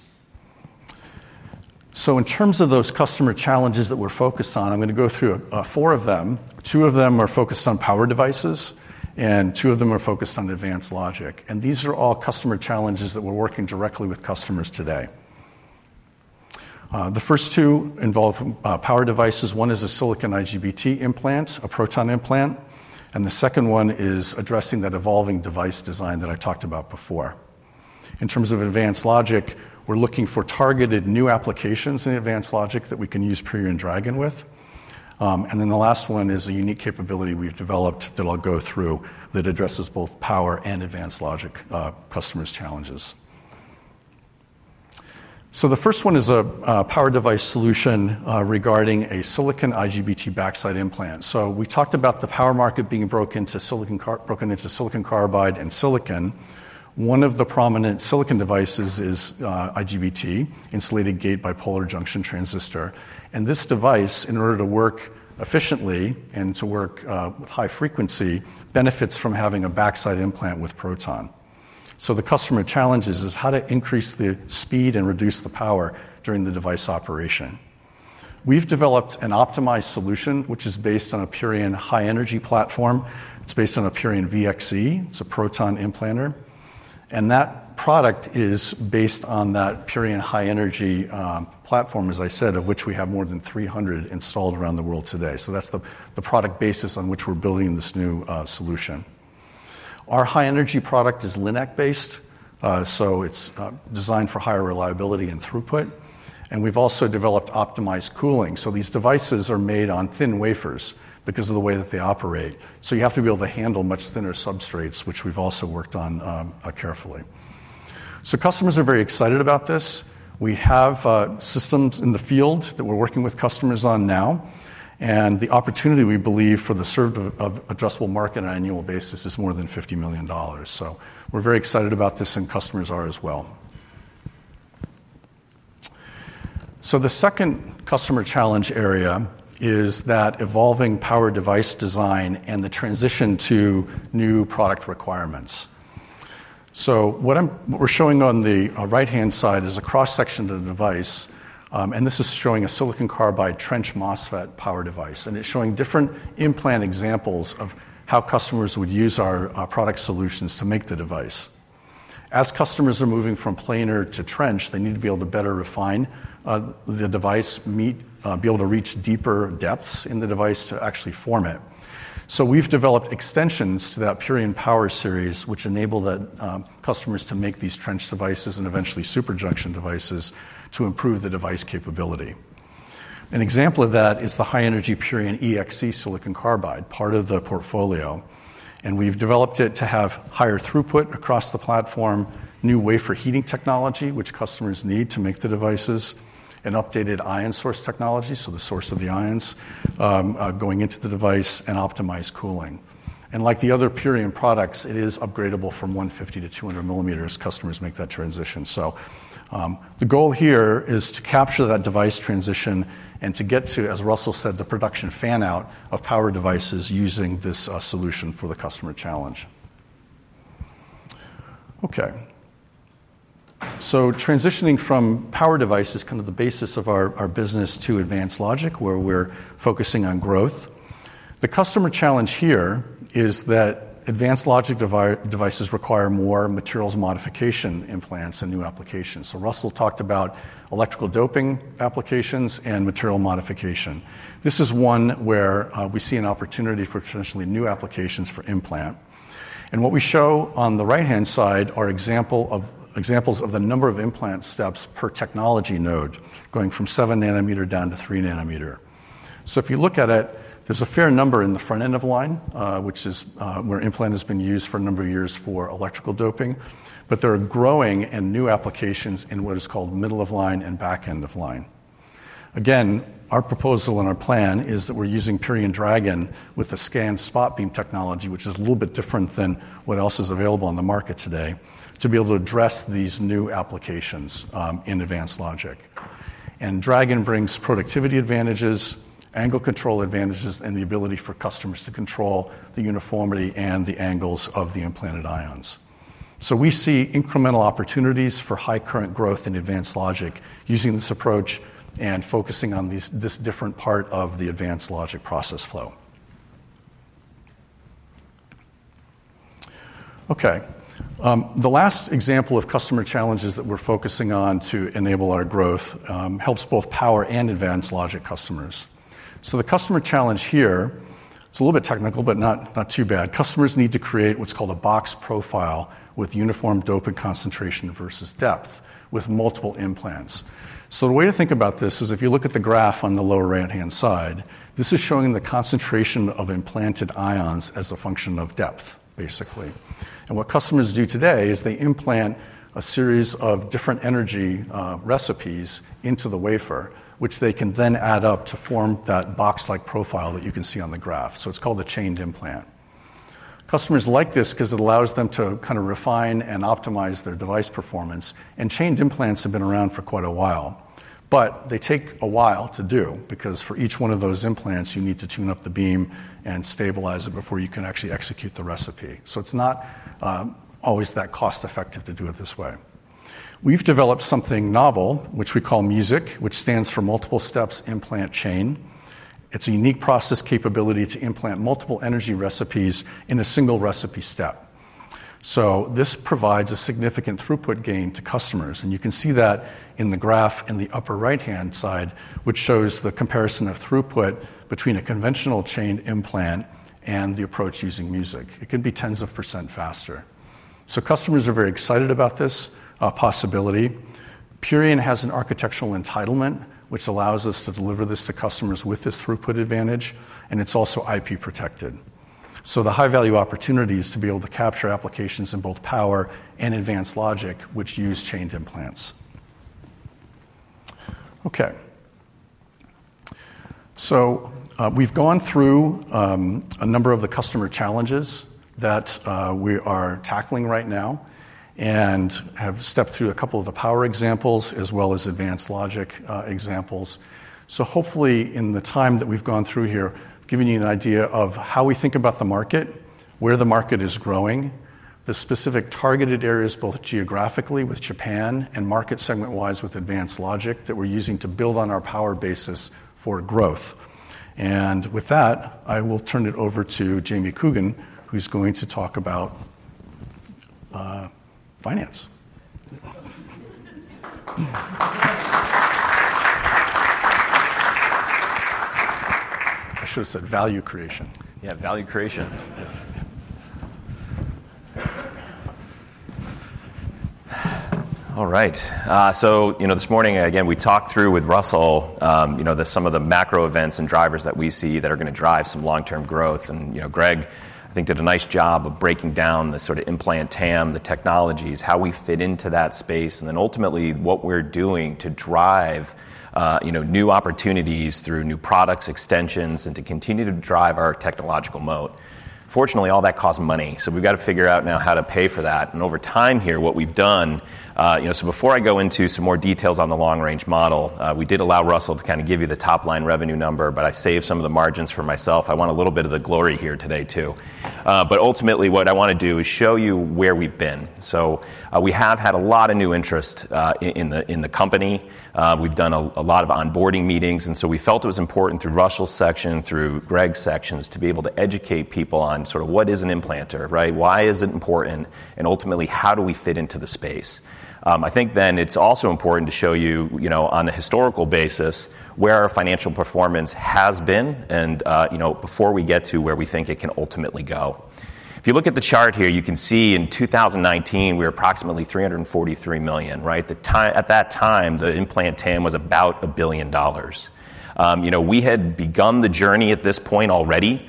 So in terms of those customer challenges that we're focused on, I'm going to go through four of them. Two of them are focused on power devices, and two of them are focused on advanced logic. And these are all customer challenges that we're working directly with customers today. The first two involve power devices. One is a silicon IGBT implant, a proton implant, and the second one is addressing that evolving device design that I talked about before. In terms of advanced logic, we're looking for targeted new applications in advanced logic that we can use Purion Dragon with. And then the last one is a unique capability we've developed that I'll go through, that addresses both power and advanced logic, customers' challenges. So the first one is a power device solution, regarding a silicon IGBT backside implant. So we talked about the power market being broken into silicon carbide and silicon. One of the prominent silicon devices is IGBT, Insulated Gate Bipolar Junction Transistor. And this device, in order to work efficiently and to work with high frequency, benefits from having a backside implant with proton. So the customer challenges is how to increase the speed and reduce the power during the device operation. We've developed an optimized solution, which is based on a Purion high-energy platform. It's based on a Purion VXE. It's a proton implanter, and that product is based on that Purion high-energy platform, as I said, of which we have more than 300 installed around the world today. So that's the product basis on which we're building this new solution. Our high-energy product is LINAC-based, so it's designed for higher reliability and throughput, and we've also developed optimized cooling. So these devices are made on thin wafers because of the way that they operate. So you have to be able to handle much thinner substrates, which we've also worked on carefully. So customers are very excited about this. We have systems in the field that we're working with customers on now, and the opportunity, we believe, for the served addressable market on an annual basis is more than $50 million. So we're very excited about this, and customers are as well. So the second customer challenge area is that evolving power device design and the transition to new product requirements. So what we're showing on the right-hand side is a cross-section of the device, and this is showing a silicon carbide trench MOSFET power device, and it's showing different implant examples of how customers would use our product solutions to make the device. As customers are moving from planar to trench, they need to be able to better refine the device, meet, be able to reach deeper depths in the device to actually form it. So we've developed extensions to that Purion Power Series, which enable the customers to make these trench devices and eventually superjunction devices to improve the device capability. An example of that is the high-energy Purion EXE silicon carbide, part of the portfolio, and we've developed it to have higher throughput across the platform, new wafer heating technology, which customers need to make the devices, an updated ion source technology, so the source of the ions, going into the device and optimized cooling. And like the other Purion products, it is upgradable from 150-200 millimeters, customers make that transition. So, the goal here is to capture that device transition and to get to, as Russell said, the production fan-out of power devices using this, solution for the customer challenge. Okay. So transitioning from power devices, kind of the basis of our business, to advanced logic, where we're focusing on growth. The customer challenge here is that advanced logic devices require more materials modification, implants, and new applications. Russell talked about electrical doping applications and material modification. This is one where we see an opportunity for potentially new applications for implant. And what we show on the right-hand side are examples of the number of implant steps per technology node, going from 7 nanometer down to 3 nanometer. If you look at it, there's a fair number in the front end of line, which is where implant has been used for a number of years for electrical doping. But there are growing and new applications in what is called middle of line and back end of line. Again, our proposal and our plan is that we're using Purion Dragon with a scanned spot beam technology, which is a little bit different than what else is available on the market today, to be able to address these new applications in advanced logic. And Dragon brings productivity advantages, angle control advantages, and the ability for customers to control the uniformity and the angles of the implanted ions. So we see incremental opportunities for high current growth in advanced logic using this approach and focusing on these, this different part of the advanced logic process flow. Okay, the last example of customer challenges that we're focusing on to enable our growth helps both power and advanced logic customers. So the customer challenge here, it's a little bit technical, but not too bad. Customers need to create what's called a box profile with uniform dopant concentration versus depth, with multiple implants. So the way to think about this is if you look at the graph on the lower right-hand side, this is showing the concentration of implanted ions as a function of depth, basically. What customers do today is they implant a series of different energy recipes into the wafer, which they can then add up to form that box-like profile that you can see on the graph. So it's called the chained implant. Customers like this 'cause it allows them to kind of refine and optimize their device performance, and chained implants have been around for quite a while, but they take a while to do, because for each one of those implants, you need to tune up the beam and stabilize it before you can actually execute the recipe. So it's not always that cost-effective to do it this way. We've developed something novel, which we call MUSIC, which stands for Multiple Steps Implant Chain. It's a unique process capability to implant multiple energy recipes in a single recipe step. So this provides a significant throughput gain to customers, and you can see that in the graph in the upper right-hand side, which shows the comparison of throughput between a conventional chained implant and the approach using MUSIC. It can be tens of % faster. So customers are very excited about this possibility. Purion has an architectural entitlement, which allows us to deliver this to customers with this throughput advantage, and it's also IP protected. So the high-value opportunity is to be able to capture applications in both power and advanced logic, which use chained implants. Okay. So, we've gone through a number of the customer challenges that we are tackling right now and have stepped through a couple of the power examples as well as advanced logic examples. So hopefully, in the time that we've gone through here, I've given you an idea of how we think about the market, where the market is growing, the specific targeted areas, both geographically with Japan and market segment-wise with advanced logic, that we're using to build on our power basis for growth. And with that, I will turn it over to Jamie Coogan, who's going to talk about finance. I should have said value creation. Yeah, value creation. All right. So, you know, this morning, again, we talked through with Russell, you know, the, some of the macro events and drivers that we see that are going to drive some long-term growth. And, you know, Greg, I think, did a nice job of breaking down the sort of implant TAM, the technologies, how we fit into that space, and then ultimately, what we're doing to drive, you know, new opportunities through new products, extensions, and to continue to drive our technological moat. Fortunately, all that costs money, so we've got to figure out now how to pay for that. Over time here, what we've done, you know, so before I go into some more details on the long-range model, we did allow Russell to kind of give you the top-line revenue number, but I saved some of the margins for myself. I want a little bit of the glory here today, too. But ultimately, what I want to do is show you where we've been. So, we have had a lot of new interest in the company. We've done a lot of onboarding meetings, and so we felt it was important through Russell's section, through Greg's sections, to be able to educate people on sort of what is an implanter, right? Why is it important, and ultimately, how do we fit into the space? I think then it's also important to show you, you know, on a historical basis, where our financial performance has been, and, you know, before we get to where we think it can ultimately go. If you look at the chart here, you can see in 2019, we were approximately $343 million, right? At that time, the implant TAM was about $1 billion. You know, we had begun the journey at this point already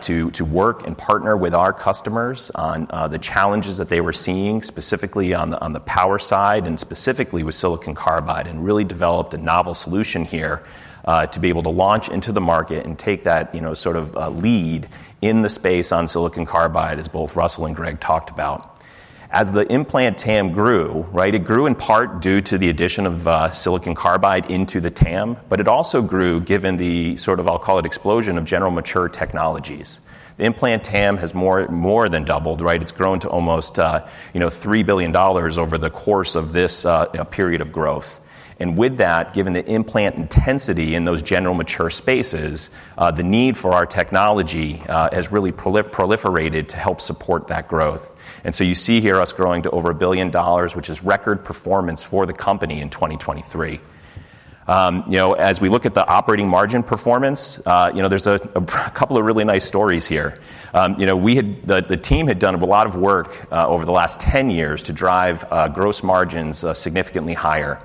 to work and partner with our customers on the challenges that they were seeing, specifically on the power side and specifically with silicon carbide, and really developed a novel solution here to be able to launch into the market and take that, you know, sort of lead in the space on silicon carbide, as both Russell and Greg talked about. As the implant TAM grew, right, it grew in part due to the addition of silicon carbide into the TAM, but it also grew given the sort of, I'll call it, explosion of general mature technologies. The implant TAM has more than doubled, right? It's grown to almost, you know, $3 billion over the course of this period of growth. And with that, given the implant intensity in those general mature spaces, the need for our technology has really proliferated to help support that growth. And so you see here us growing to over $1 billion, which is record performance for the company in 2023. You know, as we look at the operating margin performance, you know, there's a couple of really nice stories here. You know, the team had done a lot of work over the last 10 years to drive gross margins significantly higher.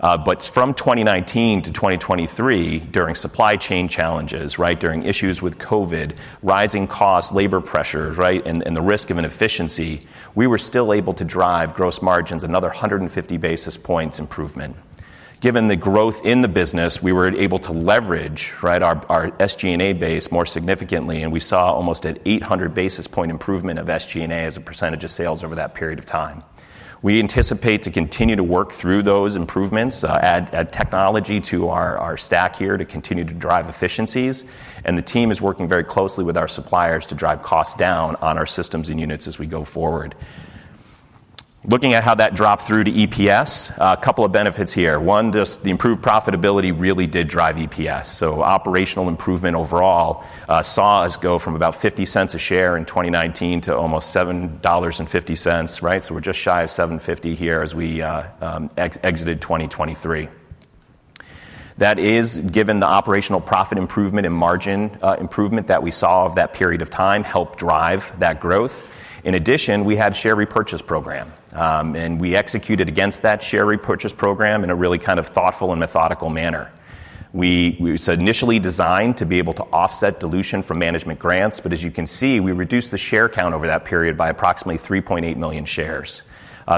But from 2019 to 2023, during supply chain challenges, right, during issues with COVID, rising costs, labor pressures, right, and the risk of inefficiency, we were still able to drive gross margins another 150 basis points improvement. Given the growth in the business, we were able to leverage, right, our SG&A base more significantly, and we saw almost an 800 basis point improvement of SG&A as a percentage of sales over that period of time. We anticipate to continue to work through those improvements, add technology to our stack here to continue to drive efficiencies, and the team is working very closely with our suppliers to drive costs down on our systems and units as we go forward. Looking at how that dropped through to EPS, a couple of benefits here. One, just the improved profitability really did drive EPS. So operational improvement overall, saw us go from about $0.50 a share in 2019 to almost $7.50, right? So we're just shy of $7.50 here as we exited 2023. That is, given the operational profit improvement and margin improvement that we saw over that period of time, helped drive that growth. In addition, we had share repurchase program, and we executed against that share repurchase program in a really kind of thoughtful and methodical manner. We initially designed to be able to offset dilution from management grants, but as you can see, we reduced the share count over that period by approximately 3.8 million shares.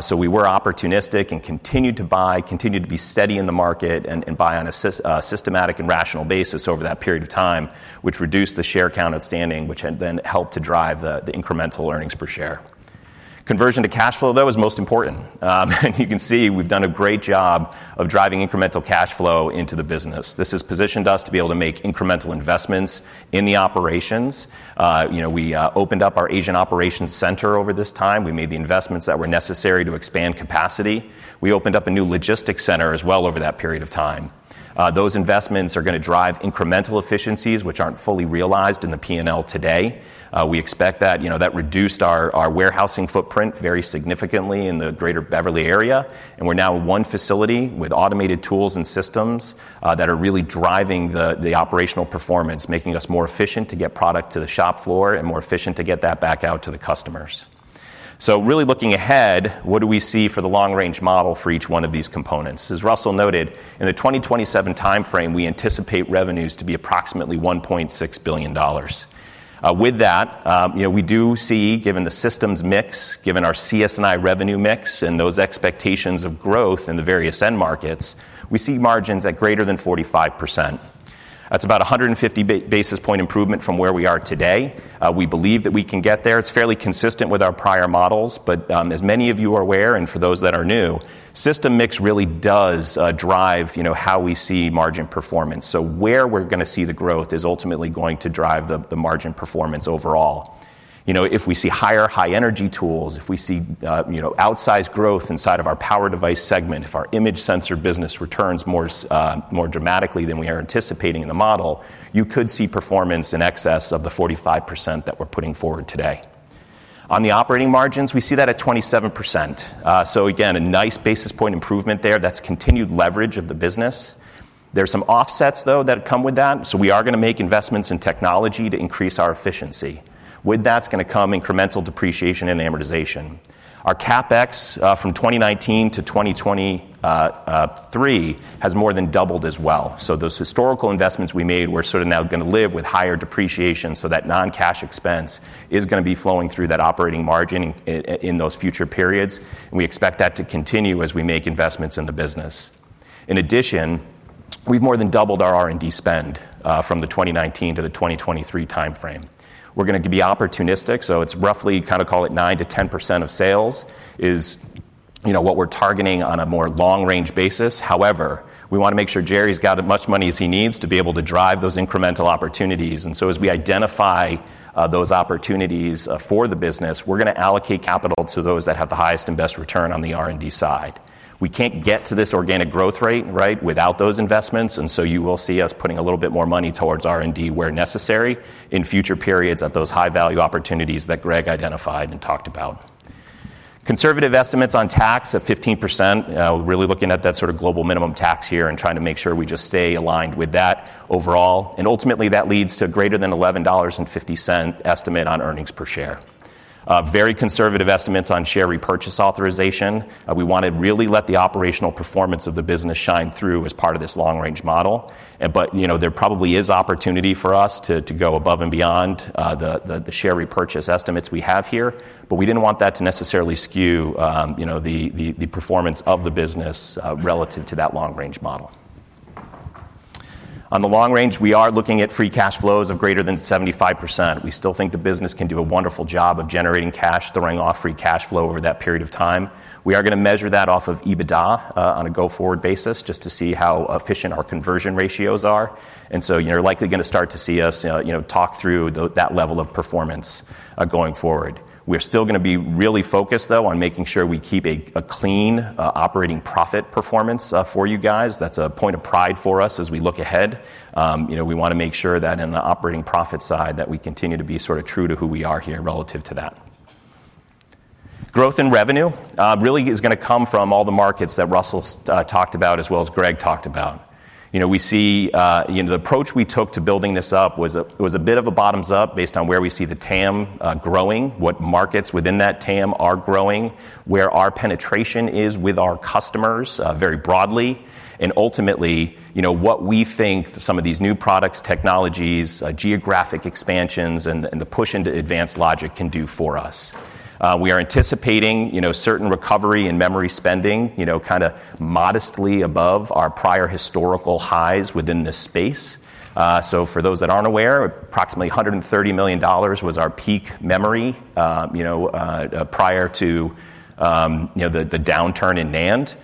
So we were opportunistic and continued to buy, continued to be steady in the market and buy on a systematic and rational basis over that period of time, which reduced the share count outstanding, which had then helped to drive the incremental earnings per share. Conversion to cash flow, though, is most important. And you can see we've done a great job of driving incremental cash flow into the business. This has positioned us to be able to make incremental investments in the operations. You know, we opened up our Asian operations center over this time. We made the investments that were necessary to expand capacity. We opened up a new logistics center as well over that period of time. Those investments are gonna drive incremental efficiencies, which aren't fully realized in the P&L today. We expect that, you know, that reduced our warehousing footprint very significantly in the greater Beverly area, and we're now one facility with automated tools and systems, that are really driving the operational performance, making us more efficient to get product to the shop floor and more efficient to get that back out to the customers. So really looking ahead, what do we see for the long-range model for each one of these components? As Russell noted, in the 2027 timeframe, we anticipate revenues to be approximately $1.6 billion. With that, you know, we do see, given the systems mix, given our CS&I revenue mix and those expectations of growth in the various end markets, we see margins at greater than 45%. That's about 150 basis point improvement from where we are today. We believe that we can get there. It's fairly consistent with our prior models, but, as many of you are aware, and for those that are new, system mix really does drive, you know, how we see margin performance. So where we're gonna see the growth is ultimately going to drive the margin performance overall. You know, if we see higher high-energy tools, if we see, you know, outsized growth inside of our power device segment, if our image sensor business returns more dramatically than we are anticipating in the model, you could see performance in excess of the 45% that we're putting forward today. On the operating margins, we see that at 27%. So again, a nice basis point improvement there. That's continued leverage of the business. There's some offsets, though, that come with that, so we are gonna make investments in technology to increase our efficiency. With that's gonna come incremental depreciation and amortization. Our CapEx from 2019 to 2023 has more than doubled as well. So those historical investments we made, we're sort of now gonna live with higher depreciation, so that non-cash expense is gonna be flowing through that operating margin in those future periods, and we expect that to continue as we make investments in the business. In addition, we've more than doubled our R&D spend from the 2019 to the 2023 timeframe. We're gonna be opportunistic, so it's roughly, kinda, call it 9%-10% of sales is, you know, what we're targeting on a more long-range basis. However, we wanna make sure Jamie's got as much money as he needs to be able to drive those incremental opportunities. And so as we identify those opportunities for the business, we're gonna allocate capital to those that have the highest and best return on the R&D side. We can't get to this organic growth rate, right, without those investments, and so you will see us putting a little bit more money towards R&D, where necessary, in future periods at those high-value opportunities that Greg identified and talked about. Conservative estimates on tax of 15%. Really looking at that sort of global minimum tax here and trying to make sure we just stay aligned with that overall. And ultimately, that leads to greater than $11.50 estimate on earnings per share. Very conservative estimates on share repurchase authorization. We want to really let the operational performance of the business shine through as part of this long-range model. But, you know, there probably is opportunity for us to go above and beyond the share repurchase estimates we have here, but we didn't want that to necessarily skew, you know, the performance of the business, relative to that long-range model. On the long range, we are looking at free cash flows of greater than 75%. We still think the business can do a wonderful job of generating cash, throwing off free cash flow over that period of time. We are gonna measure that off of EBITDA, on a go-forward basis, just to see how efficient our conversion ratios are. And so you're likely gonna start to see us, you know, talk through that level of performance, going forward. We're still gonna be really focused, though, on making sure we keep a clean operating profit performance for you guys. That's a point of pride for us as we look ahead. You know, we wanna make sure that in the operating profit side, that we continue to be sort of true to who we are here relative to that. Growth in revenue really is gonna come from all the markets that Russell talked about, as well as Greg talked about. You know, we see. You know, the approach we took to building this up was a bit of a bottoms-up based on where we see the TAM growing, what markets within that TAM are growing, where our penetration is with our customers very broadly, and ultimately, you know, what we think some of these new products, technologies, geographic expansions, and the push into advanced logic can do for us. We are anticipating, you know, certain recovery in memory spending, you know, kinda modestly above our prior historical highs within this space. So for those that aren't aware, approximately $130 million was our peak memory, you know, prior to the downturn in NAND.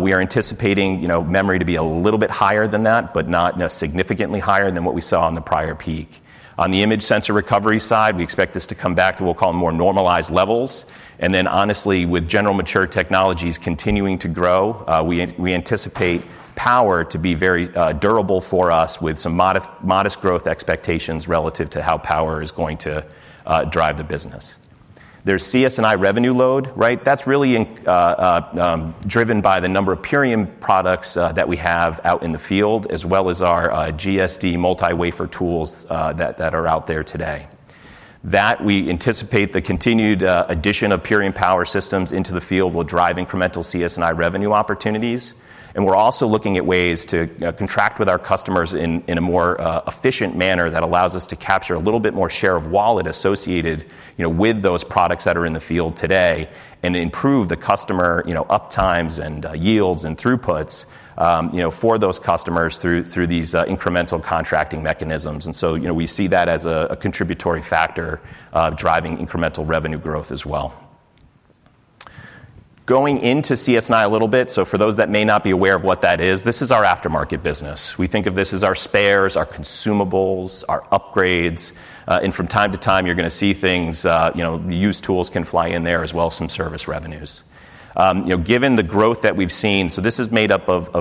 We are anticipating, you know, memory to be a little bit higher than that, but not significantly higher than what we saw on the prior peak. On the image sensor recovery side, we expect this to come back to what we'll call more normalized levels. And then, honestly, with general mature technologies continuing to grow, we anticipate power to be very, durable for us with some modest growth expectations relative to how power is going to drive the business. There's CS&I revenue load, right? That's really driven by the number of Purion products that we have out in the field, as well as our GSD multi-wafer tools that are out there today. That we anticipate the continued addition of Purion power systems into the field will drive incremental CS&I revenue opportunities. And we're also looking at ways to contract with our customers in a more efficient manner that allows us to capture a little bit more share of wallet associated, you know, with those products that are in the field today and improve the customer, you know, up times and yields and throughputs, you know, for those customers through these incremental contracting mechanisms. And so, you know, we see that as a contributory factor driving incremental revenue growth as well .... Going into CS&I a little bit, so for those that may not be aware of what that is, this is our aftermarket business. We think of this as our spares, our consumables, our upgrades, and from time to time, you're gonna see things, you know, the used tools can fly in there as well as some service revenues. You know, given the growth that we've seen, so this is made up of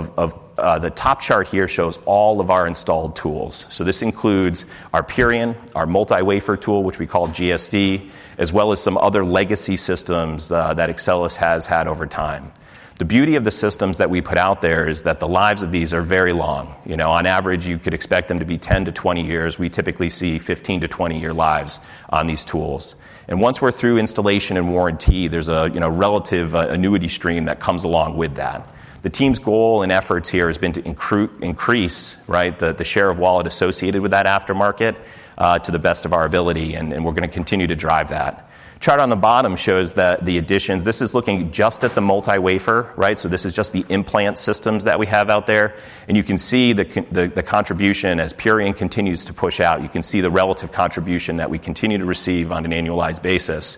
the top chart here shows all of our installed tools. So this includes our Purion, our multi-wafer tool, which we call GSD, as well as some other legacy systems that Axcelis has had over time. The beauty of the systems that we put out there is that the lives of these are very long. You know, on average, you could expect them to be 10-20 years. We typically see 15-20-year lives on these tools. And once we're through installation and warranty, there's a you know, relative annuity stream that comes along with that. The team's goal and efforts here has been to increase, right, the share of wallet associated with that aftermarket to the best of our ability, and we're gonna continue to drive that. The chart on the bottom shows that the additions. This is looking just at the multi-wafer, right? So this is just the implant systems that we have out there. And you can see the contribution as Purion continues to push out. You can see the relative contribution that we continue to receive on an annualized basis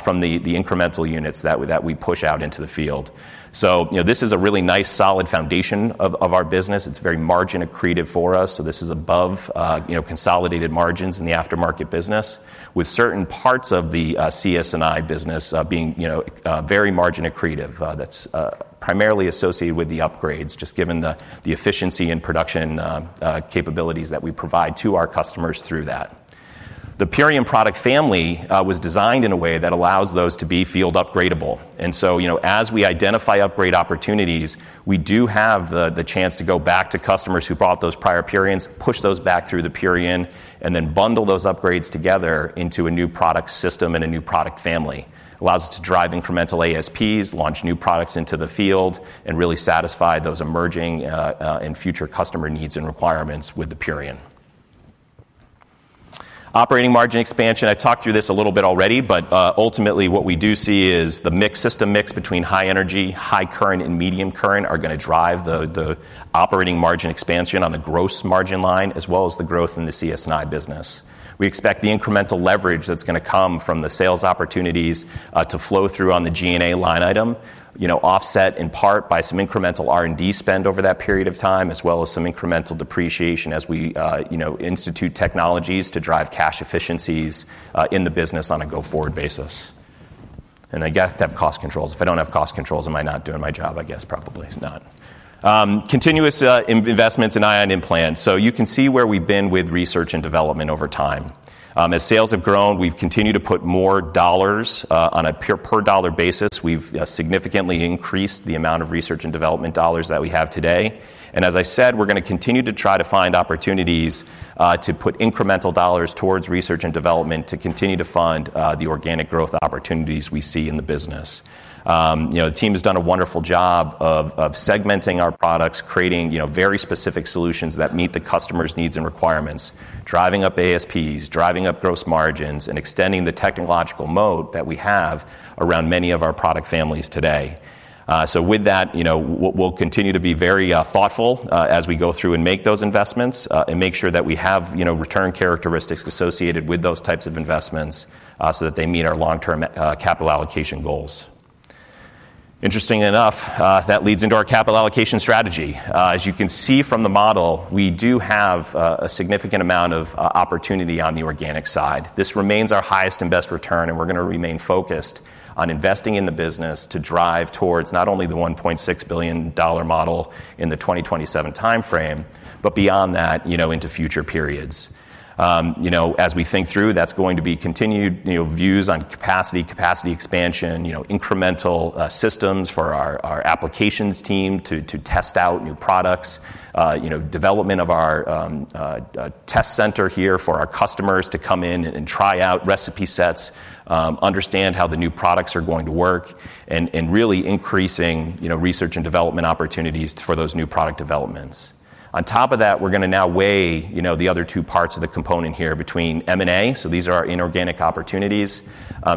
from the incremental units that we push out into the field. So, you know, this is a really nice, solid foundation of our business. It's very margin accretive for us, so this is above, you know, consolidated margins in the aftermarket business, with certain parts of the, CS&I business, being, you know, very margin accretive. That's primarily associated with the upgrades, just given the, the efficiency and production, capabilities that we provide to our customers through that. The Purion product family was designed in a way that allows those to be field upgradable. And so, you know, as we identify upgrade opportunities, we do have the, the chance to go back to customers who bought those prior Purions, push those back through the Purion, and then bundle those upgrades together into a new product system and a new product family. Allows us to drive incremental ASPs, launch new products into the field, and really satisfy those emerging, and future customer needs and requirements with the Purion. Operating margin expansion, I talked through this a little bit already, but, ultimately, what we do see is the mix, system mix between high energy, high current, and medium current are gonna drive the operating margin expansion on the gross margin line, as well as the growth in the CS&I business. We expect the incremental leverage that's gonna come from the sales opportunities, to flow through on the G&A line item, you know, offset in part by some incremental R&D spend over that period of time, as well as some incremental depreciation as we, you know, institute technologies to drive cash efficiencies, in the business on a go-forward basis. And I got to have cost controls. If I don't have cost controls, am I not doing my job? I guess probably is not. Continuous investments in ion implants. So you can see where we've been with research and development over time. As sales have grown, we've continued to put more dollars on a per dollar basis. We've significantly increased the amount of research and development dollars that we have today. And as I said, we're gonna continue to try to find opportunities to put incremental dollars towards research and development to continue to fund the organic growth opportunities we see in the business. You know, the team has done a wonderful job of segmenting our products, creating, you know, very specific solutions that meet the customer's needs and requirements, driving up ASPs, driving up gross margins, and extending the technological moat that we have around many of our product families today. So with that, you know, we'll continue to be very thoughtful as we go through and make those investments and make sure that we have, you know, return characteristics associated with those types of investments so that they meet our long-term capital allocation goals. Interesting enough, that leads into our capital allocation strategy. As you can see from the model, we do have a significant amount of opportunity on the organic side. This remains our highest and best return, and we're gonna remain focused on investing in the business to drive towards not only the $1.6 billion model in the 2027 timeframe, but beyond that, you know, into future periods. You know, as we think through, that's going to be continued, you know, views on capacity, capacity expansion, you know, incremental systems for our applications team to test out new products, you know, development of our test center here for our customers to come in and try out recipe sets, understand how the new products are going to work, and really increasing, you know, research and development opportunities for those new product developments. On top of that, we're gonna now weigh, you know, the other two parts of the component here between M&A, so these are our inorganic opportunities,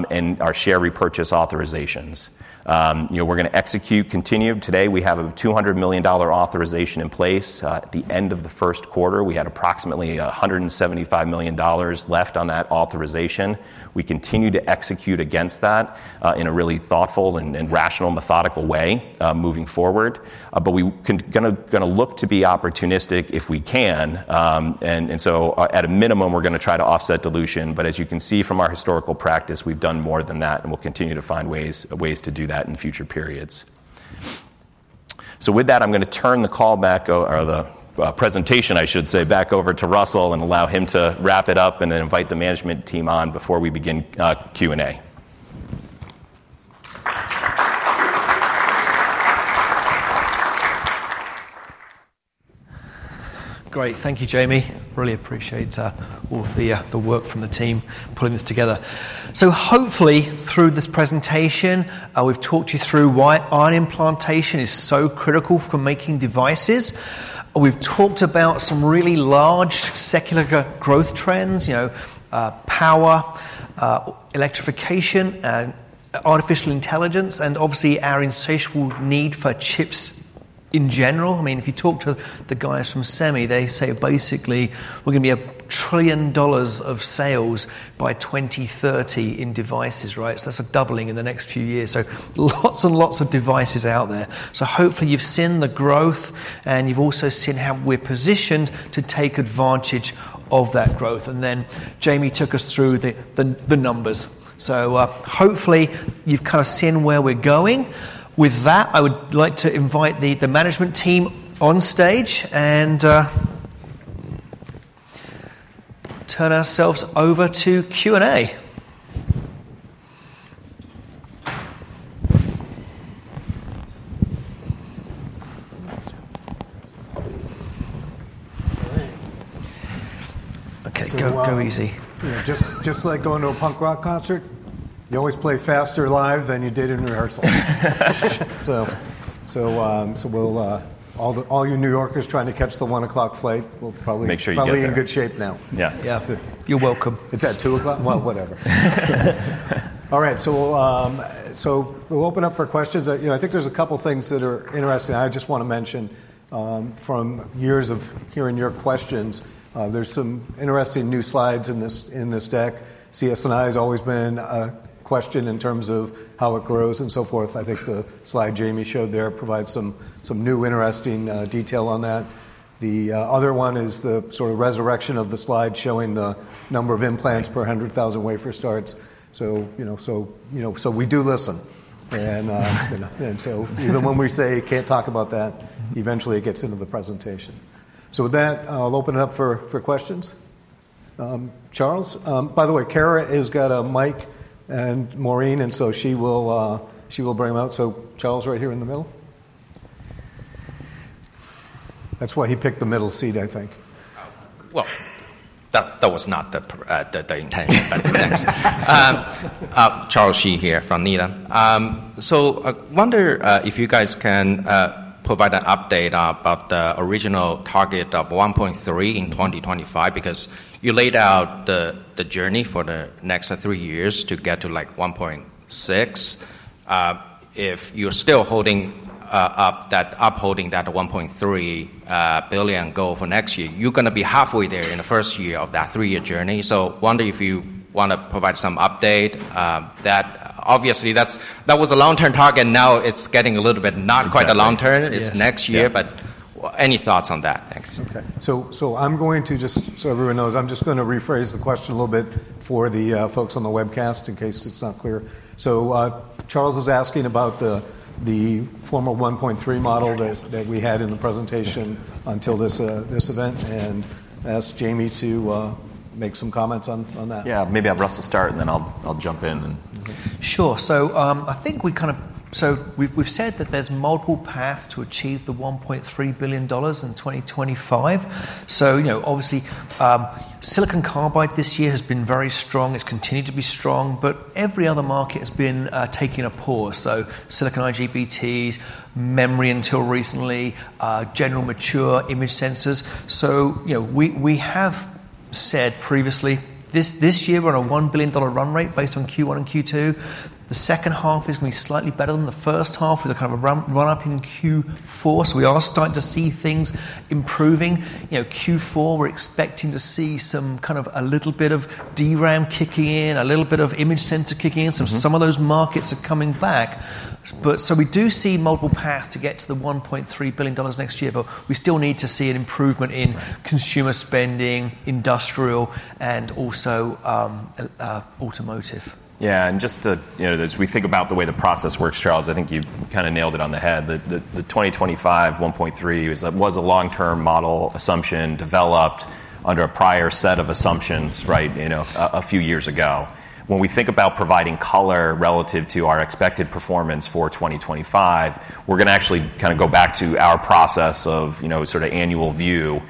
and our share repurchase authorizations. You know, we're gonna execute continuum. Today, we have a $200 million authorization in place. At the end of the first quarter, we had approximately $175 million left on that authorization. We continue to execute against that, in a really thoughtful and rational, methodical way, moving forward. But we gonna look to be opportunistic if we can, and so at a minimum, we're gonna try to offset dilution. But as you can see from our historical practice, we've done more than that, and we'll continue to find ways to do that in future periods. So with that, I'm gonna turn the call back or the presentation, I should say, back over to Russell and allow him to wrap it up and then invite the management team on before we begin Q&A. Great. Thank you, Jamie. Really appreciate all the work from the team putting this together. So hopefully, through this presentation, we've talked you through why ion implantation is so critical for making devices. We've talked about some really large secular growth trends, you know, power, electrification, and artificial intelligence, and obviously, our insatiable need for chips in general, I mean, if you talk to the guys from SEMI, they say basically, we're gonna be $1 trillion of sales by 2030 in devices, right? So that's a doubling in the next few years. So lots and lots of devices out there. So hopefully, you've seen the growth, and you've also seen how we're positioned to take advantage of that growth. And then Jamie took us through the numbers. So, hopefully, you've kind of seen where we're going. With that, I would like to invite the management team on stage and turn ourselves over to Q&A. All right. Okay, go, go easy. Just like going to a punk rock concert, you always play faster live than you did in rehearsal. So we'll all you New Yorkers trying to catch the 1:00 P.M. flight, we'll probably- Make sure you get there. Probably in good shape now. Yeah. Yeah. You're welcome. It's at 2:00 P.M.? Well, whatever. All right, so we'll open up for questions. You know, I think there's a couple of things that are interesting. I just want to mention, from years of hearing your questions, there's some interesting new slides in this deck. CS&I has always been a question in terms of how it grows and so forth. I think the slide Jamie showed there provides some new interesting detail on that. The other one is the sort of resurrection of the slide showing the number of implants per 100,000 wafer starts. So, you know, we do listen. And so even when we say, "Can't talk about that," eventually it gets into the presentation. So with that, I'll open it up for questions. Charles, by the way, Kara has got a mic, and Maureen, and so she will, she will bring them out. So Charles, right here in the middle. That's why he picked the middle seat, I think. Well, that was not the intention, but thanks. Charles Shi here from Needham. So I wonder if you guys can provide an update about the original target of $1.3 billion in 2025, because you laid out the journey for the next three years to get to, like, 1.6. If you're still upholding that $1.3 billion goal for next year, you're gonna be halfway there in the first year of that three-year journey. So wonder if you want to provide some update, that obviously, that was a long-term target, now it's getting a little bit not quite the long term. Yes. It's next year, but any thoughts on that? Thanks. Okay. So, so I'm going to just, so everyone knows, I'm just gonna rephrase the question a little bit for the folks on the webcast in case it's not clear. So, Charles is asking about the, the former 1.3 model- Yes That we had in the presentation until this event, and ask Jamie to make some comments on that. Yeah, maybe have Russell start, and then I'll, I'll jump in and- Sure. So, I think we kind of, so we've said that there's multiple paths to achieve the $1.3 billion in 2025. So, you know, obviously, silicon carbide this year has been very strong. It's continued to be strong, but every other market has been taking a pause. So silicon IGBTs, memory until recently, general mature image sensors. So you know, we have said previously, this year, we're on a $1 billion run rate based on Q1 and Q2. The second half is gonna be slightly better than the first half with a kind of a run-up in Q4. So we are starting to see things improving. You know, Q4, we're expecting to see some kind of a little bit of DRAM kicking in, a little bit of image sensor kicking in. Mm-hmm. So some of those markets are coming back. But so we do see multiple paths to get to $1.3 billion next year, but we still need to see an improvement in- Right Consumer spending, industrial, and also, automotive. Yeah, and just to, you know, as we think about the way the process works, Charles, I think you kind of nailed it on the head. The 2025, 1.3, was a long-term model assumption developed under a prior set of assumptions, right, you know, a few years ago. When we think about providing color relative to our expected performance for 2025, we're gonna actually kind of go back to our process of, you know, sort of annual view,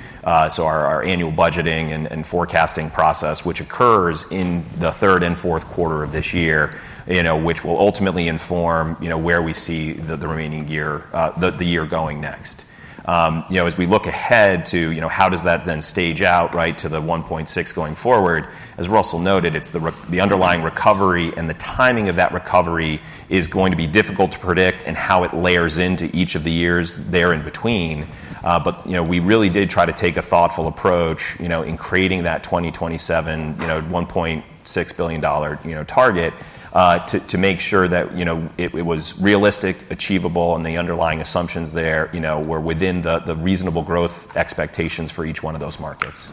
so our annual budgeting and forecasting process, which occurs in the third and fourth quarter of this year, you know, which will ultimately inform, you know, where we see the remaining year, the year going next. You know, as we look ahead to, you know, how does that then stage out, right, to the 1.6 going forward, as Russell noted, it's the underlying recovery and the timing of that recovery is going to be difficult to predict and how it layers into each of the years there in between. But, you know, we really did try to take a thoughtful approach, you know, in creating that 2027, you know, $1.6 billion, you know, target, to to make sure that, you know, it it was realistic, achievable, and the underlying assumptions there, you know, were within the the reasonable growth expectations for each one of those markets.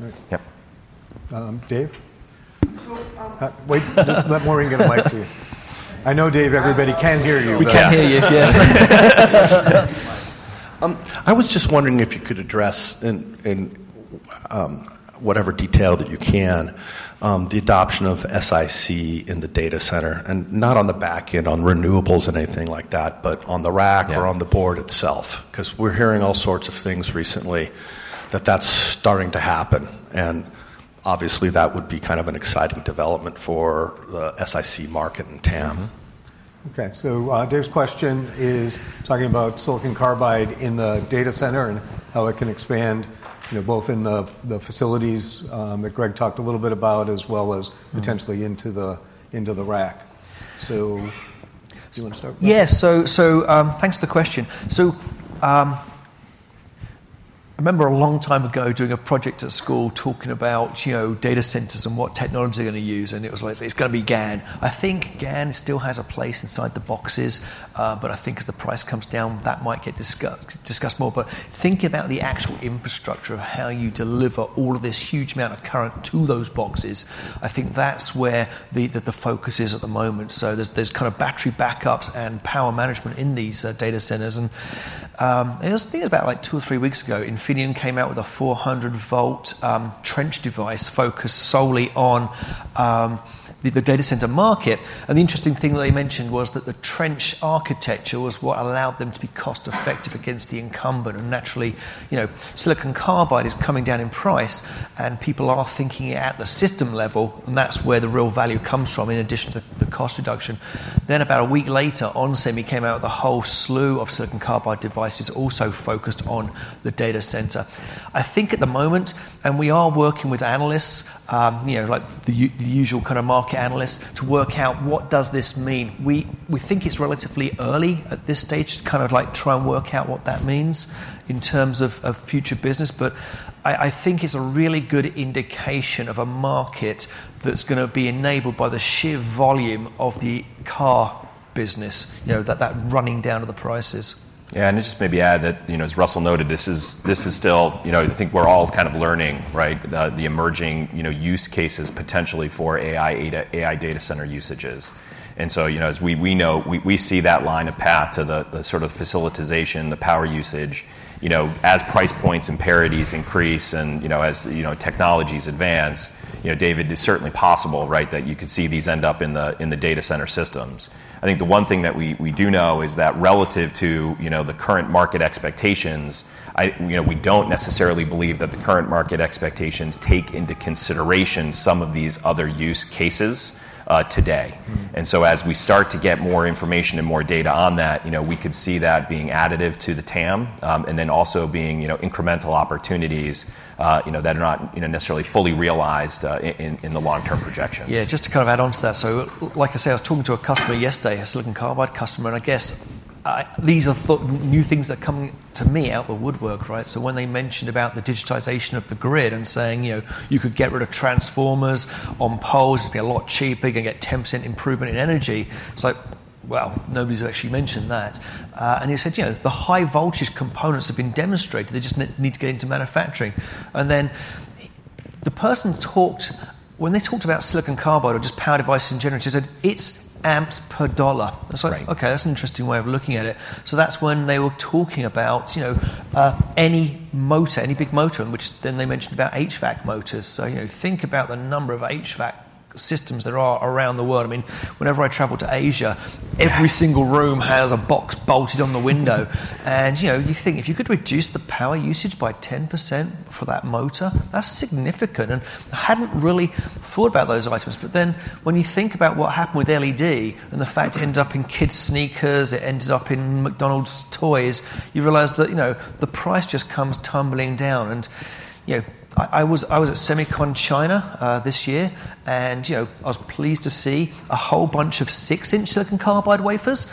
Great. Yep. Um, Dave? So, um- Wait. Let Maureen get a mic to you. I know, Dave, everybody can hear you. We can hear you, yes. I was just wondering if you could address, whatever detail that you can, the adoption of SiC in the data center, and not on the back end, on renewables and anything like that, but on the rack- Yeah Or on the board itself. 'Cause we're hearing all sorts of things recently that that's starting to happen, and obviously, that would be kind of an exciting development for the SiC market and TAM. Mm-hmm. Okay, so, Dave's question is talking about silicon carbide in the data center and how it can expand, you know, both in the facilities that Greg talked a little bit about, as well as- Mm Potentially into the rack. So do you want to start? Yes. So, thanks for the question. So, I remember a long time ago doing a project at school talking about, you know, data centers and what technology they're gonna use, and it was like, "It's gonna be GaN." I think GaN still has a place inside the boxes, but I think as the price comes down, that might get discussed more. But thinking about the actual infrastructure of how you deliver all of this huge amount of current to those boxes, I think that's where the focus is at the moment. So there's kind of battery backups and power management in these data centers. And, I was thinking about, like two or three weeks ago, Infineon came out with a 400-volt trench device focused solely on the data center market. The interesting thing that they mentioned was that the trench architecture was what allowed them to be cost-effective against the incumbent. And naturally, you know, silicon carbide is coming down in price, and people are thinking at the system level, and that's where the real value comes from, in addition to the cost reduction. About a week later, onsemi came out with a whole slew of silicon carbide devices, also focused on the data center. I think at the moment, and we are working with analysts, you know, like the usual kind of market analysts, to work out what does this mean? We think it's relatively early at this stage to kind of, like, try and work out what that means in terms of future business. But I think it's a really good indication of a market that's gonna be enabled by the sheer volume of the car business, you know, that running down of the prices. Yeah, and just maybe add that, you know, as Russell noted, this is still, You know, I think we're all kind of learning, right, the emerging, you know, use cases potentially for AI, AI data center usages. And so, you know, as we know, we see that line of sight to the sort of facilitation, the power usage, you know, as price points and parities increase and, you know, as technologies advance, you know, David, it's certainly possible, right, that you could see these end up in the, in the data center systems. I think the one thing that we do know is that relative to, you know, the current market expectations, I, you know, we don't necessarily believe that the current market expectations take into consideration some of these other use cases, today. Mm. So as we start to get more information and more data on that, you know, we could see that being additive to the TAM, and then also being, you know, incremental opportunities, you know, that are not, you know, necessarily fully realized in the long-term projections. Yeah, just to kind of add onto that, so like I say, I was talking to a customer yesterday, a silicon carbide customer, and I guess, these are new things that come to me out of the woodwork, right? So when they mentioned about the digitization of the grid and saying, you know, you could get rid of transformers on poles, it'd be a lot cheaper, you're gonna get 10% improvement in energy, it's like, well, nobody's actually mentioned that. And he said, "You know, the high voltage components have been demonstrated. They just need to get into manufacturing." And then the person talked, when they talked about silicon carbide or just power devices in general, she said, "It's amps per dollar. Right. I was like: Okay, that's an interesting way of looking at it. So that's when they were talking about, you know, any motor, any big motor, and which then they mentioned about HVAC motors. So, you know, think about the number of HVAC systems there are around the world. I mean, whenever I travel to Asia, every single room has a box bolted on the window. And, you know, you think if you could reduce the power usage by 10% for that motor, that's significant, and I hadn't really thought about those items. But then, when you think about what happened with LED and the fact it ended up in kids' sneakers, it ended up in McDonald's toys, you realize that, you know, the price just comes tumbling down. You know, I was at SEMICON China this year, and you know, I was pleased to see a whole bunch of 6-inch silicon carbide wafers.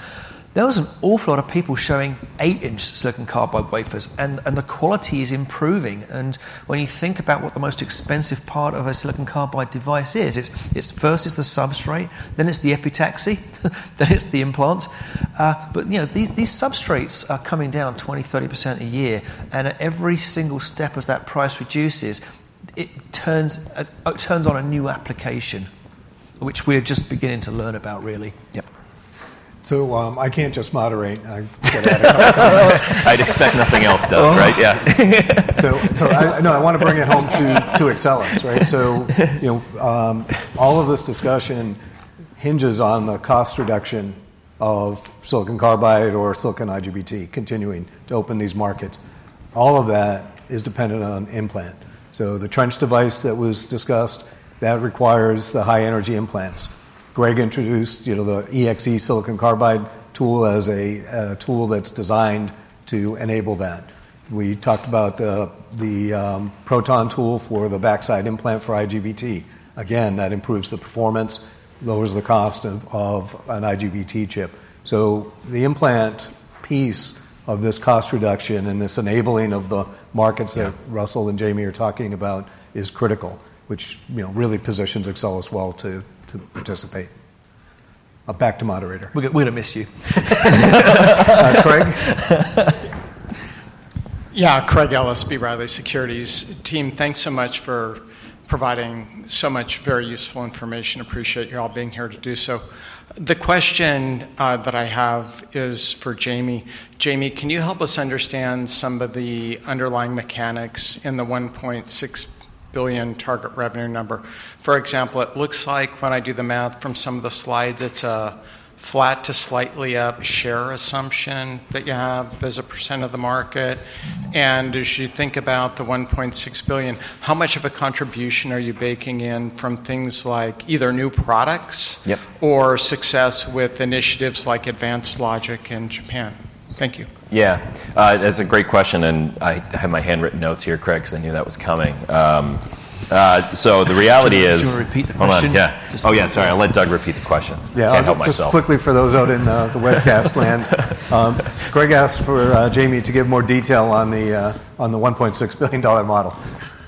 There was an awful lot of people showing 8-inch silicon carbide wafers, and the quality is improving. And when you think about what the most expensive part of a silicon carbide device is, it's first the substrate, then it's the epitaxy, then it's the implant. But you know, these substrates are coming down 20%-30% a year, and at every single step as that price reduces, it turns on a new application, which we're just beginning to learn about, really. Yep. So, I can't just moderate. I gotta. I'd expect nothing else, though, right? Yeah. No, I want to bring it home to Axcelis, right? So, you know, all of this discussion hinges on the cost reduction of silicon carbide or silicon IGBT continuing to open these markets. All of that is dependent on implant. So the trench device that was discussed, that requires the high energy implants. Greg introduced, you know, the Exe silicon carbide tool as a tool that's designed to enable that. We talked about the proton tool for the backside implant for IGBT. Again, that improves the performance, lowers the cost of an IGBT chip. So the implant piece of this cost reduction and this enabling of the markets- Yeah That Russell and Jamie are talking about is critical, which, you know, really positions Axcelis well to participate. Back to moderator. We're gonna miss you. Uh, Craig? Yeah, Craig Ellis, B. Riley Securities. Team, thanks so much for providing so much very useful information. Appreciate you all being here to do so. The question that I have is for Jamie. Jamie, can you help us understand some of the underlying mechanics in the $1.6 billion target revenue number. For example, it looks like when I do the math from some of the slides, it's a flat to slightly up share assumption that you have as a percent of the market. And as you think about the $1.6 billion, how much of a contribution are you baking in from things like either new products- Yep. or success with initiatives like Advanced Logic in Japan? Thank you. Yeah. That's a great question, and I have my handwritten notes here, Craig, because I knew that was coming. So the reality is- Do you want to repeat the question? Hold on. Yeah. Oh, yeah, sorry. I'll let Doug repeat the question. Yeah. I can't help myself. Just quickly for those out in the webcast land. Greg asked for Jamie to give more detail on the $1.6 billion model.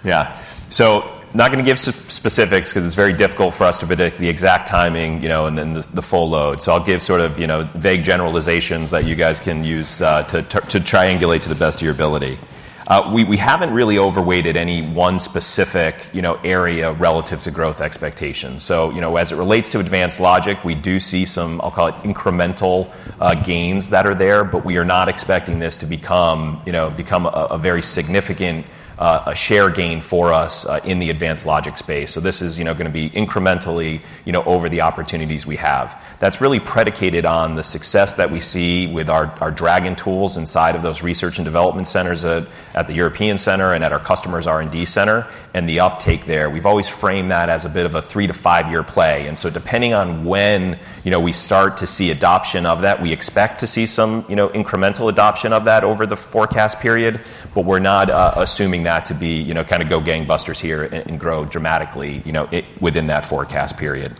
Yeah. So not gonna give specifics because it's very difficult for us to predict the exact timing, you know, and then the, the full load. So I'll give sort of, you know, vague generalizations that you guys can use, to, to triangulate to the best of your ability. We haven't really overweighted any one specific, you know, area relative to growth expectations. So, you know, as it relates to advanced logic, we do see some, I'll call it incremental, gains that are there, but we are not expecting this to become, you know, a very significant, share gain for us, in the advanced logic space. So this is, you know, gonna be incrementally, you know, over the opportunities we have. That's really predicated on the success that we see with our Dragon tools inside of those research and development centers at the European Center and at our customers' R&D center, and the uptake there. We've always framed that as a bit of a 3- to 5-year play, and so depending on when, you know, we start to see adoption of that, we expect to see some, you know, incremental adoption of that over the forecast period, but we're not assuming that to be, you know, kind of go gangbusters here and grow dramatically, you know, within that forecast period.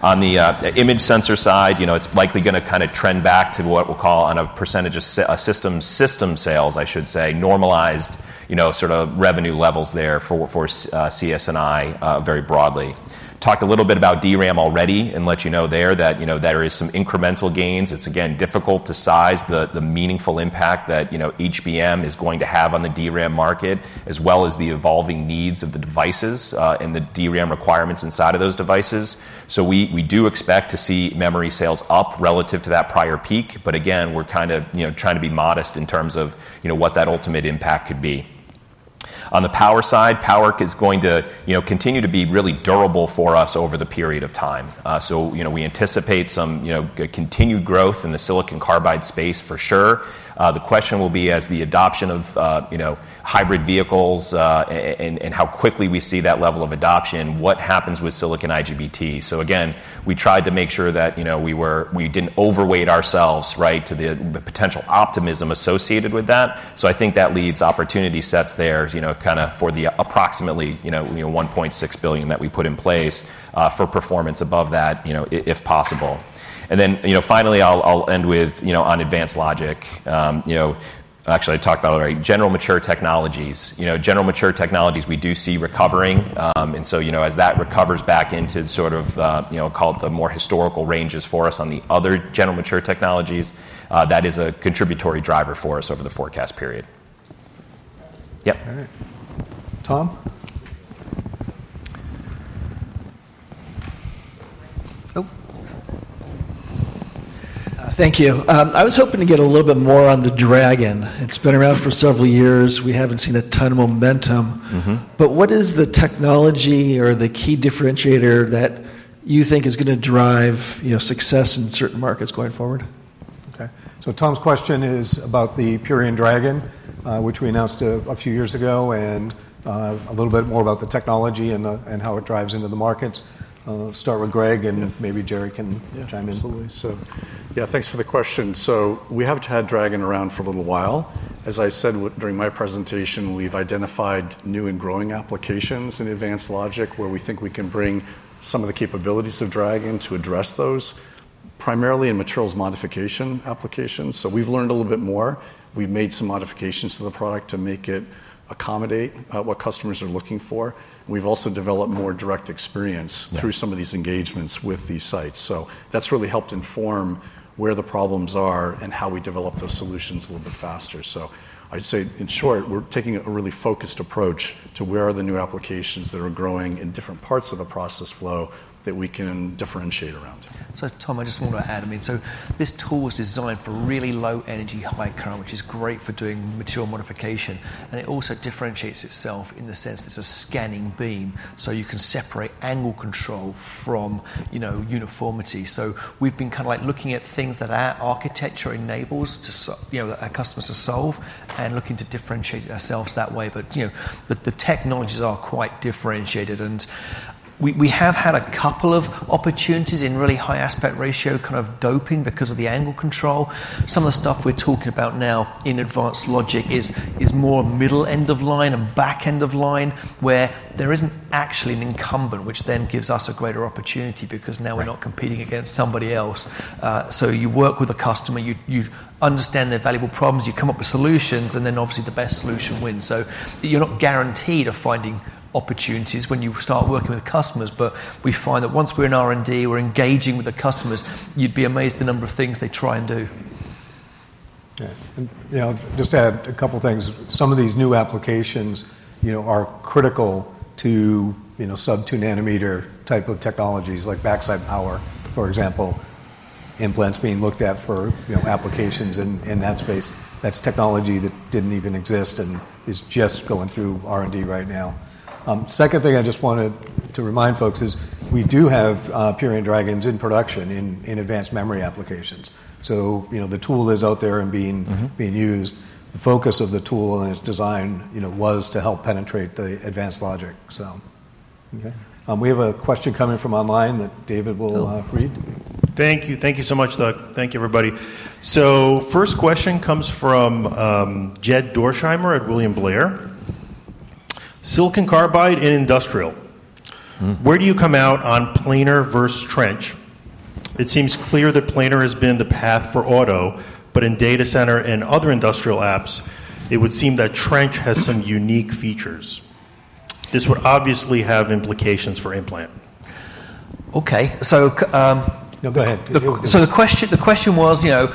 On the image sensor side, you know, it's likely gonna kind of trend back to what we'll call on a percentage of a system, system sales, I should say, normalized, you know, sort of revenue levels there for CIS, very broadly. Talked a little bit about DRAM already and let you know there that, you know, there is some incremental gains. It's again difficult to size the meaningful impact that, you know, HBM is going to have on the DRAM market, as well as the evolving needs of the devices and the DRAM requirements inside of those devices. So we do expect to see memory sales up relative to that prior peak, but again, we're kind of, you know, trying to be modest in terms of, you know, what that ultimate impact could be. On the power side, power SiC is going to, you know, continue to be really durable for us over the period of time. So, you know, we anticipate some continued growth in the silicon carbide space for sure. The question will be as the adoption of, you know, hybrid vehicles, and how quickly we see that level of adoption, what happens with silicon IGBT? So again, we tried to make sure that, you know, we were—we didn't overweight ourselves, right, to the, the potential optimism associated with that. So I think that leads opportunity sets there, you know, kind of for the approximately, you know, you know, $1.6 billion that we put in place, for performance above that, you know, if possible. And then, you know, finally, I'll, I'll end with, you know, on advanced logic. You know, actually, I talked about already general mature technologies. You know, general mature technologies, we do see recovering, and so, you know, as that recovers back into sort of, you know, call it the more historical ranges for us on the other general mature technologies, that is a contributory driver for us over the forecast period. Yep. All right. Tom? Oh. Thank you. I was hoping to ge t a little bit more on the Dragon. It's been around for several years. We haven't seen a ton of momentum. Mm-hmm. What is the technology or the key differentiator that you think is gonna drive, you know, success in certain markets going forward? Okay. So Tom's question is about the Purion Dragon, which we announced a few years ago, and a little bit more about the technology and how it drives into the market. I'll start with Greg, and maybe Jamie can chime in. Yeah, absolutely. So yeah, thanks for the question. So we have had Dragon around for a little while. As I said during my presentation, we've identified new and growing applications in advanced logic, where we think we can bring some of the capabilities of Dragon to address those, primarily in materials modification applications. So we've learned a little bit more. We've made some modifications to the product to make it accommodate what customers are looking for. We've also developed more direct experience- Yeah Through some of these engagements with these sites. So that's really helped inform where the problems are and how we develop those solutions a little bit faster. So I'd say, in short, we're taking a really focused approach to where are the new applications that are growing in different parts of the process flow that we can differentiate around. So, Tom, I just want to add, I mean, so this tool is designed for really low energy, high current, which is great for doing material modification, and it also differentiates itself in the sense that it's a scanning beam, so you can separate angle control from, you know, uniformity. So we've been kind of like looking at things that our architecture enables, you know, our customers to solve and looking to differentiate ourselves that way. But, you know, the technologies are quite differentiated, and we have had a couple of opportunities in really high aspect ratio, kind of doping because of the angle control. Some of the stuff we're talking about now in advanced logic is more middle of line and back end of line, where there isn't actually an incumbent, which then gives us a greater opportunity because now we're not competing against somebody else. So you work with a customer, you understand their valuable problems, you come up with solutions, and then obviously the best solution wins. So you're not guaranteed of finding opportunities when you start working with customers, but we find that once we're in R&D, we're engaging with the customers, you'd be amazed the number of things they try and do. Yeah. You know, just to add a couple of things, some of these new applications, you know, are critical to, you know, sub-2 nanometer type of technologies, like backside power, for example. Implants being looked at for, you know, applications in that space. That's technology that didn't even exist and is just going through R&D right now. Second thing I just wanted to remind folks is we do have Purion Dragons in production in advanced memory applications. So, you know, the tool is out there and being- Mm-hmm being used. The focus of the tool and its design, you know, was to help penetrate the advanced logic, so. Okay. We have a question coming from online that David will, Oh -read. Thank you. Thank you so much, Doug. Thank you, everybody. So first question comes from, Jed Dorsheimer at William Blair. "Silicon carbide in industrial- Mm. Where do you come out on planar versus trench? It seems clear that planar has been the path for auto, but in data center and other industrial apps, it would seem that trench has some unique features. This would obviously have implications for implant. Okay. So No, go ahead. So the question, the question was, you know,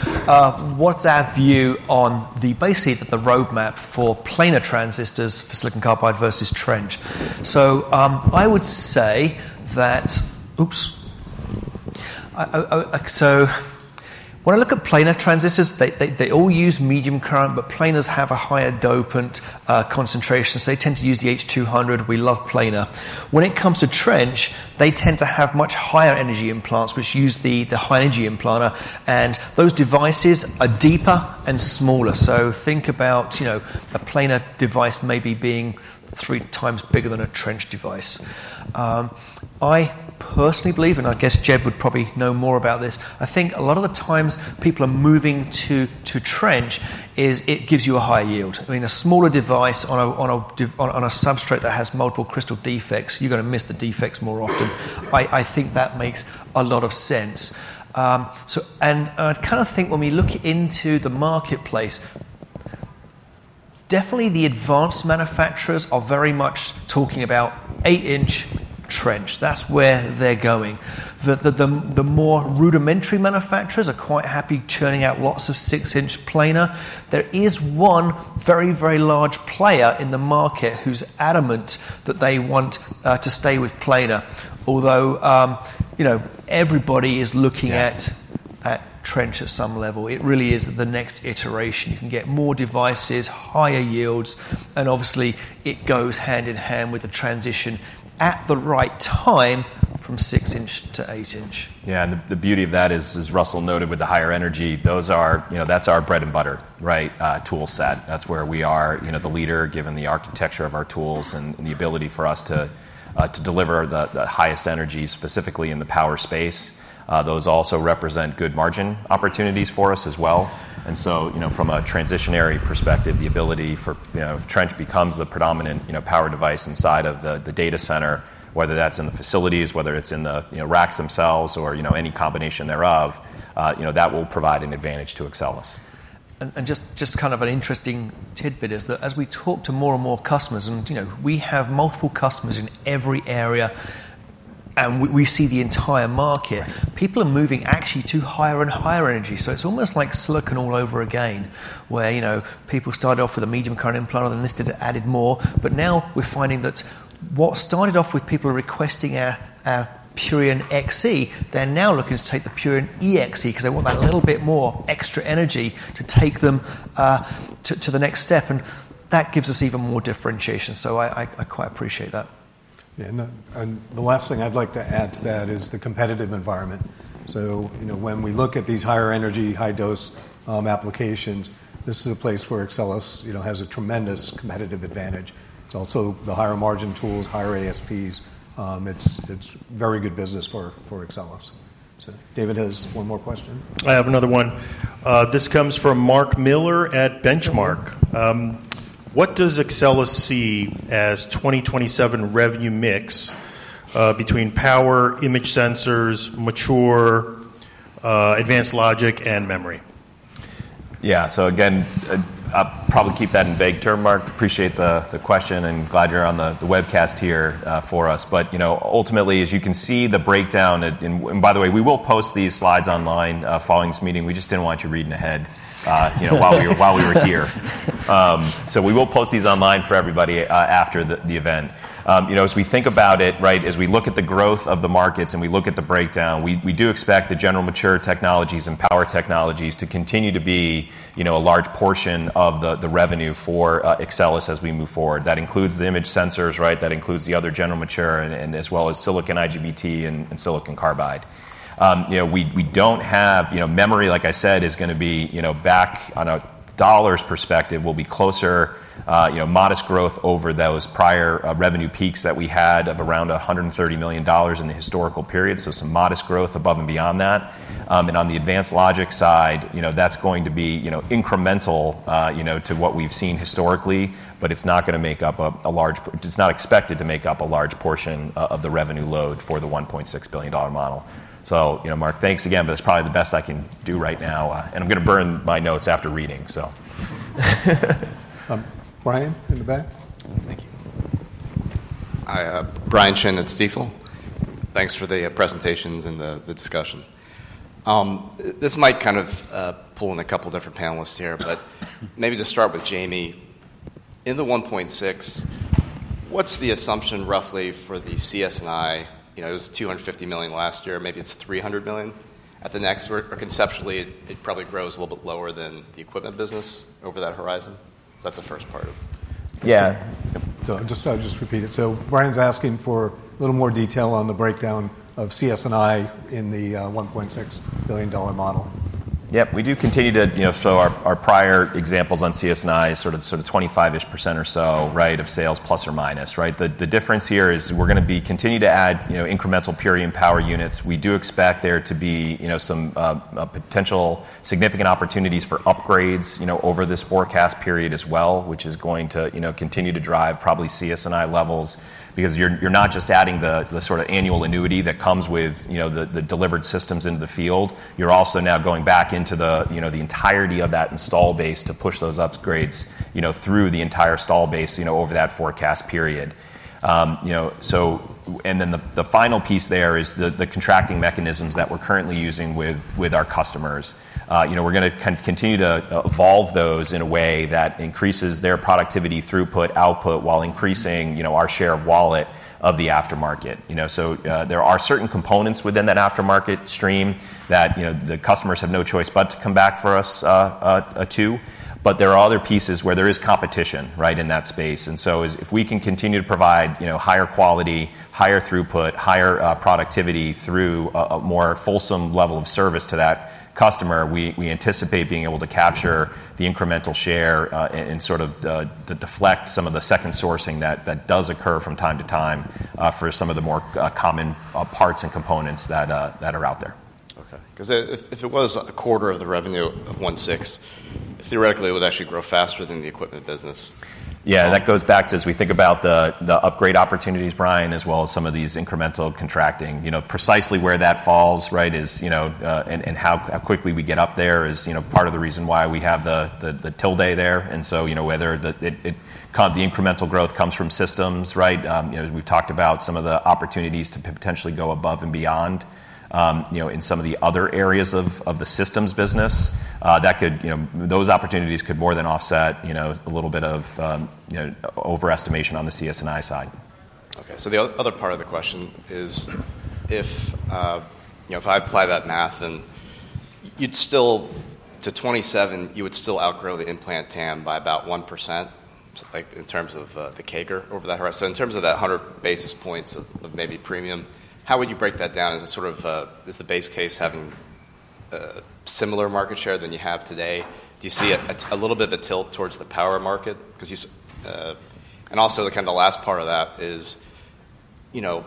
what's our view on the, basically the roadmap for planar transistors for silicon carbide versus trench? So, when I look at planar transistors, they all use medium current, but planars have a higher dopant concentration, so they tend to use the H200. We love planar. When it comes to trench, they tend to have much higher energy implants, which use the high-energy implanter, and those devices are deeper and smaller. So think about, you know, a planar device maybe being three times bigger than a trench device. I personally believe, and I guess Jed would probably know more about this, I think a lot of the times people are moving to trench is it gives you a higher yield. I mean, a smaller device on a substrate that has multiple crystal defects, you're going to miss the defects more often. Yeah. I think that makes a lot of sense. So, I kind of think when we look into the marketplace, definitely the advanced manufacturers are very much talking about eight-inch trench. That's where they're going. The more rudimentary manufacturers are quite happy churning out lots of six-inch planar. There is one very, very large player in the market who's adamant that they want to stay with planar. Although, you know, everybody is looking at- Yeah At Trench at some level. It really is the next iteration. You can get more devices, higher yields, and obviously, it goes hand in hand with the transition at the right time from 6-inch to 8-inch. Yeah, and the beauty of that is, as Russell noted, with the higher energy, those are—you know, that's our bread and butter, right? Tool set. That's where we are, you know, the leader, given the architecture of our tools and the ability for us to deliver the highest energy, specifically in the power space. Those also represent good margin opportunities for us as well. And so, you know, from a transitional perspective, the ability for, you know, trench becomes the predominant, you know, power device inside of the data center, whether that's in the facilities, whether it's in the, you know, racks themselves or, you know, any combination thereof, you know, that will provide an advantage to Axcelis. And just kind of an interesting tidbit is that as we talk to more and more customers, and, you know, we have multiple customers in every area, and we see the entire market- Yeah People are moving actually to higher and higher energy. So it's almost like silicon all over again, where, you know, people started off with a medium current implanter, and then this did it, added more. But now we're finding that what started off with people requesting our Purion XE, they're now looking to take the Purion EXE because they want that little bit more extra energy to take them to the next step, and that gives us even more differentiation. So I quite appreciate that. Yeah, and the last thing I'd like to add to that is the competitive environment. So, you know, when we look at these higher energy, high-dose applications, this is a place where Axcelis, you know, has a tremendous competitive advantage. It's also the higher margin tools, higher ASPs. It's very good business for Axcelis. David has one more question. I have another one. This comes from Mark Miller at Benchmark. "What does Axcelis see as 2027 revenue mix between power, image sensors, mature, advanced logic, and memory? Yeah. So again, I'll probably keep that in vague term, Mark. Appreciate the question, and glad you're on the webcast here for us. But, you know, ultimately, as you can see the breakdown. And by the way, we will post these slides online following this meeting. We just didn't want you reading ahead, you know, while we were here. So we will post these online for everybody after the event. You know, as we think about it, right, as we look at the growth of the markets and we look at the breakdown, we do expect the general mature technologies and power technologies to continue to be, you know, a large portion of the revenue for Axcelis as we move forward. That includes the image sensors, right? That includes the other general mature, and, and as well as silicon IGBT and, and silicon carbide. You know, we, we don't have, You know, memory, like I said, is gonna be, you know, back on a dollars perspective, will be closer, you know, modest growth over those prior, revenue peaks that we had of around $130 million in the historical period. So some modest growth above and beyond that. And on the advanced logic side, you know, that's going to be, you know, incremental, you know, to what we've seen historically, but it's not gonna make up a, a large portion of the revenue load for the $1.6 billion model. You know, Mark, thanks again, but it's probably the best I can do right now, and I'm gonna burn my notes after reading, so. Brian, in the back? Thank you. I, Brian Chin at Stifel. Thanks for the presentations and the discussion. This might kind of pull in a couple different panelists here, but maybe just start with Jamie. In the 1.6, what's the assumption roughly for the CS&I? You know, it was $250 million last year, maybe it's $300 million at the next, or conceptually, it probably grows a little bit lower than the equipment business over that horizon? That's the first part of- Yeah. I'll just repeat it. So Brian's asking for a little more detail on the breakdown of CS&I in the $1.6 billion model. Yep, we do continue to, you know, show our, our prior examples on CS&I, sort of twenty-five-ish percent or so, right, of sales, plus or minus, right? The difference here is we're gonna be continue to add, you know, incremental period power units. We do expect there to be, you know, some potential significant opportunities for upgrades, you know, over this forecast period as well, which is going to, you know, continue to drive probably CS&I levels. Because you're not just adding the sort of annual annuity that comes with, you know, the delivered systems into the field, you're also now going back into the, you know, the entirety of that install base to push those upgrades, you know, through the entire install base, you know, over that forecast period. You know, so and then the final piece there is the contracting mechanisms that we're currently using with our customers. You know, we're gonna continue to evolve those in a way that increases their productivity throughput, output, while increasing, you know, our share of wallet of the aftermarket. You know, so there are certain components within that aftermarket stream that, you know, the customers have no choice but to come back for us too. But there are other pieces where there is competition, right, in that space. And so as if we can continue to provide, you know, higher quality, higher throughput, higher productivity through a more fulsome level of service to that customer, we anticipate being able to capture the incremental share, and sort of to deflect some of the second sourcing that does occur from time to time, for some of the more common parts and components that are out there. Okay. 'Cause if it was a quarter of the revenue of 16, theoretically, it would actually grow faster than the equipment business. Yeah, and that goes back to, as we think about the upgrade opportunities, Brian, as well as some of these incremental contracting. You know, precisely where that falls, right, is, you know, and how quickly we get up there is, you know, part of the reason why we have the build day there. And so, you know, whether it kind of the incremental growth comes from systems, right? You know, as we've talked about some of the opportunities to potentially go above and beyond, you know, in some of the other areas of the systems business, that could, you know. Those opportunities could more than offset, you know, a little bit of, you know, overestimation on the CS&I side. Okay. So the other part of the question is, if, you know, if I apply that math and you'd still to 27, you would still outgrow the implant TAM by about 1%, like, in terms of the CAGR over that horizon. So in terms of that 100 basis points of maybe premium, how would you break that down? Is it sort of, is the base case having a similar market share than you have today? Do you see a little bit of a tilt towards the power market? 'Cause you, And also, the kind of the last part of that is, you know,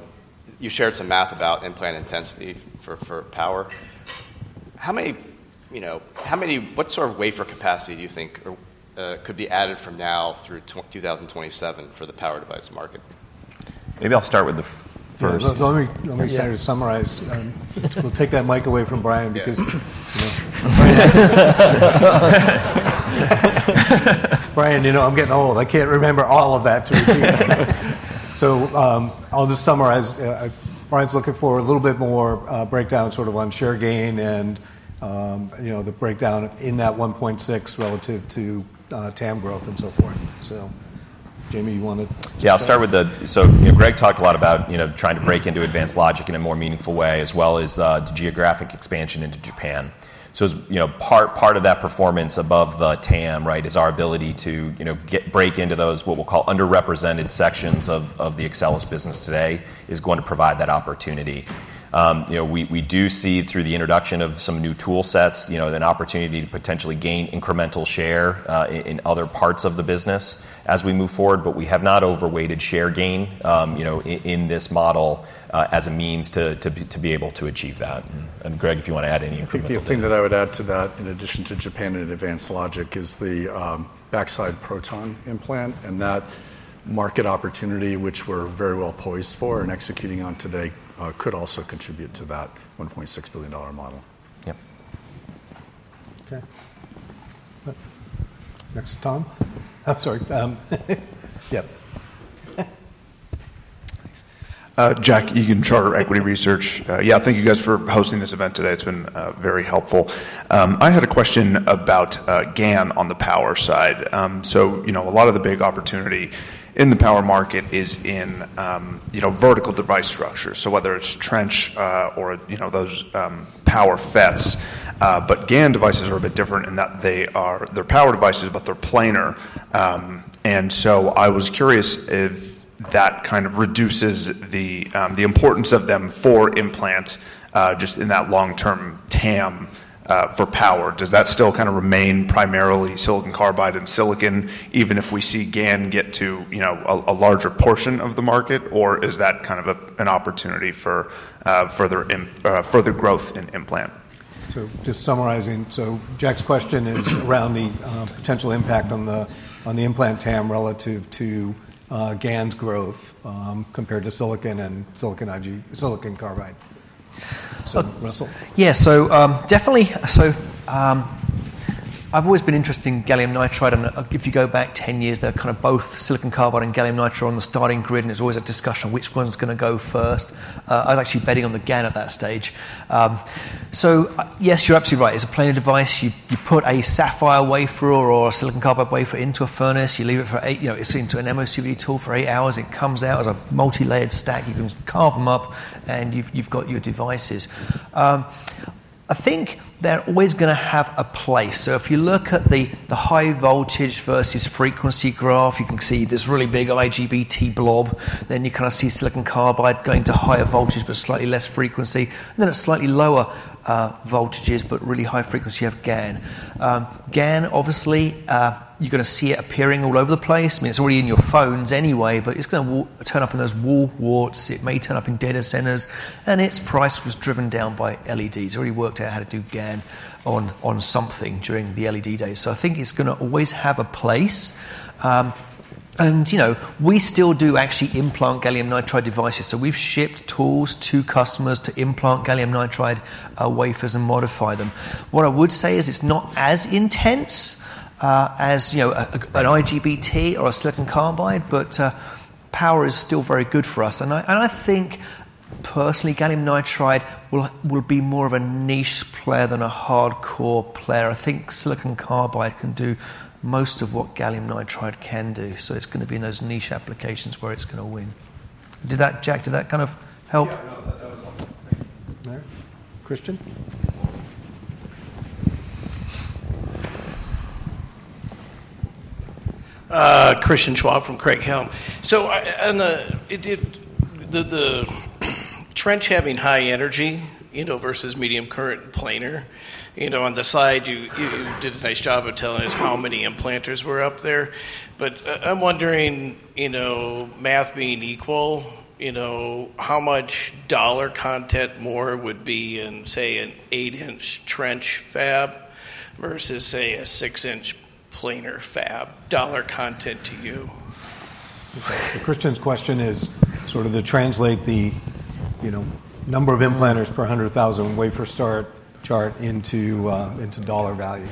you shared some math about implant intensity for power. How many, you know, what sort of wafer capacity do you think could be added from now through 2027 for the power device market? Maybe I'll start with the first- Let me start to summarize. We'll take that mic away from Brian, because- Yeah. Brian, you know, I'm getting old. I can't remember all of that to repeat. So, I'll just summarize. Brian's looking for a little bit more breakdown, sort of on share gain and, you know, the breakdown in that 1.6 relative to TAM growth, and so forth. So Jamie, you wanna- Yeah, I'll start with the. So, you know, Greg talked a lot about, you know, trying to break into advanced logic in a more meaningful way, as well as the geographic expansion into Japan. So as, you know, part of that performance above the TAM, right, is our ability to, you know, break into those, what we'll call underrepresented sections of the Axcelis business today, is going to provide that opportunity. You know, we do see through the introduction of some new tool sets, you know, an opportunity to potentially gain incremental share in other parts of the business as we move forward. But we have not overweighted share gain, you know, in this model, as a means to be able to achieve that. And Greg, if you want to add anything- The thing that I would add to that, in addition to Japan and advanced logic, is the backside proton implant, and that market opportunity, which we're very well poised for and executing on today, could also contribute to that $1.6 billion model. Yep. Okay. Next, Tom? I'm sorry, yep. Jack Egan, Charter Equity Research. Yeah, thank you, guys, for hosting this event today. It's been very helpful. I had a question about GaN on the power side. So, you know, a lot of the big opportunity in the power market is in, you know, vertical device structures, so whether it's trench or, you know, those power FETs. But GaN devices are a bit different in that they are they're power devices, but they're planar. And so I was curious if that kind of reduces the importance of them for implant just in that long-term TAM for power. Does that still kind of remain primarily silicon carbide and silicon, even if we see GaN get to, you know, a larger portion of the market, or is that kind of an opportunity for further growth in implant? So just summarizing, so Jack's question is around the potential impact on the implant TAM relative to GaN's growth, compared to silicon and silicon IGBT, silicon carbide. So, Russell? Yeah, so, definitely, so, I've always been interested in gallium nitride, and if you go back 10 years, they're kind of both silicon carbide and gallium nitride on the starting grid, and there's always a discussion on which one's gonna go first. I was actually betting on the GaN at that stage. So, yes, you're absolutely right. It's a planar device. You put a sapphire wafer or a silicon carbide wafer into a furnace, you leave it for eight hours, you know, it's into an MOCVD tool for eight hours, it comes out as a multi-layered stack. You can carve them up, and you've got your devices. I think they're always gonna have a place. So if you look at the high voltage versus frequency graph, you can see this really big IGBT blob. Then you kind of see silicon carbide going to higher voltage, but slightly less frequency. Then a slightly lower voltages, but really high frequency of GaN. GaN, obviously, you're gonna see it appearing all over the place. I mean, it's already in your phones anyway, but it's gonna turn up in those wall warts. It may turn up in data centers, and its price was driven down by LEDs. It already worked out how to do GaN on something during the LED days. So I think it's gonna always have a place. And, you know, we still do actually implant gallium nitride devices. So we've shipped tools to customers to implant gallium nitride wafers and modify them. What I would say is it's not as intense, as, you know, an IGBT or a silicon carbide, but power is still very good for us. And I think personally, gallium nitride will be more of a niche player than a hardcore player. I think silicon carbide can do most of what gallium nitride can do, so it's gonna be in those niche applications where it's gonna win. Did that—Jack, did that kind of help? Yeah, no, that was awesome. Thank you. Christian? Christian Schwab from Craig-Hallum. The trench having high energy, you know, versus medium current planar, you know, on the side, you did a nice job of telling us how many implanters were up there. But, I'm wondering, you know, math being equal, you know, how much dollar content more would be in, say, an 8-inch trench fab versus, say, a 6-inch planar fab, dollar content to you? Okay, so Christian's question is sort of to translate the, you know, number of implanters per 100,000 wafer starts chart into into dollar value.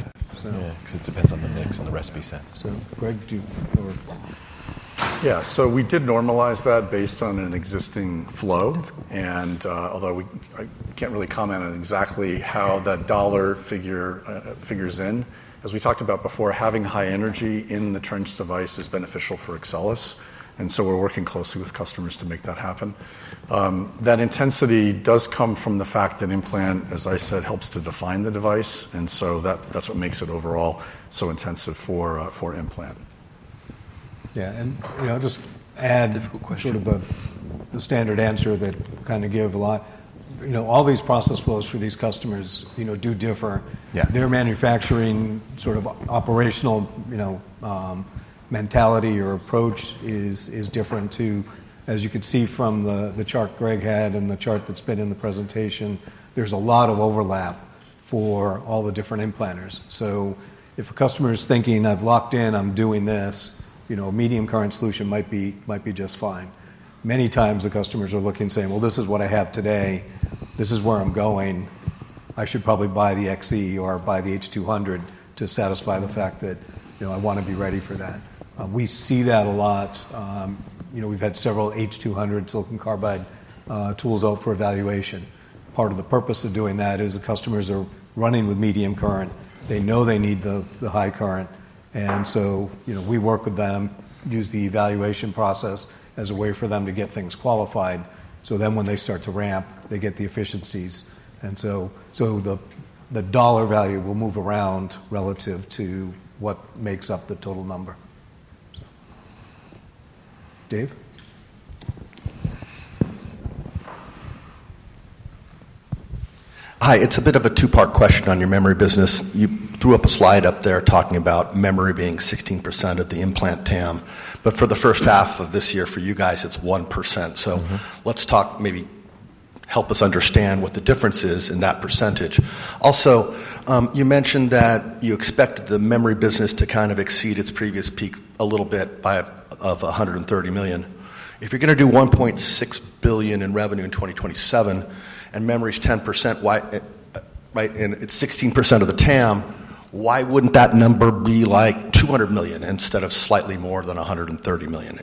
Yeah, 'cause it depends on the mix and the recipe set. So, Greg, do you want to? Yeah. So we did normalize that based on an existing flow, and although I can't really comment on exactly how that dollar figure figures in. As we talked about before, having high energy in the trench device is beneficial for Axcelis, and so we're working closely with customers to make that happen. That intensity does come from the fact that implant, as I said, helps to define the device, and so that, that's what makes it overall so intensive for, for implant. Yeah, and, you know, I'll just add—difficult question, sort of a, the standard answer that kind of give a lot. You know, all these process flows for these customers, you know, do differ. Yeah. Their manufacturing sort of operational, you know, mentality or approach is different too. As you can see from the chart Greg had and the chart that's been in the presentation, there's a lot of overlap for all the different implanters. So if a customer is thinking, "I've locked in, I'm doing this," you know, a medium current solution might be just fine. Many times, the customers are looking and saying: Well, this is what I have today, this is where I'm going. I should probably buy the XE or buy the H200 to satisfy the fact that, you know, I want to be ready for that. We see that a lot. You know, we've had several H200 silicon carbide tools out for evaluation. Part of the purpose of doing that is the customers are running with medium current. They know they need the high current, and so, you know, we work with them, use the evaluation process as a way for them to get things qualified, so then when they start to ramp, they get the efficiencies. And so, the dollar value will move around relative to what makes up the total number. So Dave? Hi, it's a bit of a two-part question on your memory business. You threw up a slide up there talking about memory being 16% of the implant TAM, but for the first half of this year, for you guys, it's 1%. Mm-hmm. So let's talk, maybe help us understand what the difference is in that percentage. Also, you mentioned that you expect the memory business to kind of exceed its previous peak a little bit by of $130 million. If you're gonna do $1.6 billion in revenue in 2027 and memory is 10%, why-- right, and it's 16% of the TAM, why wouldn't that number be like $200 million instead of slightly more than $130 million?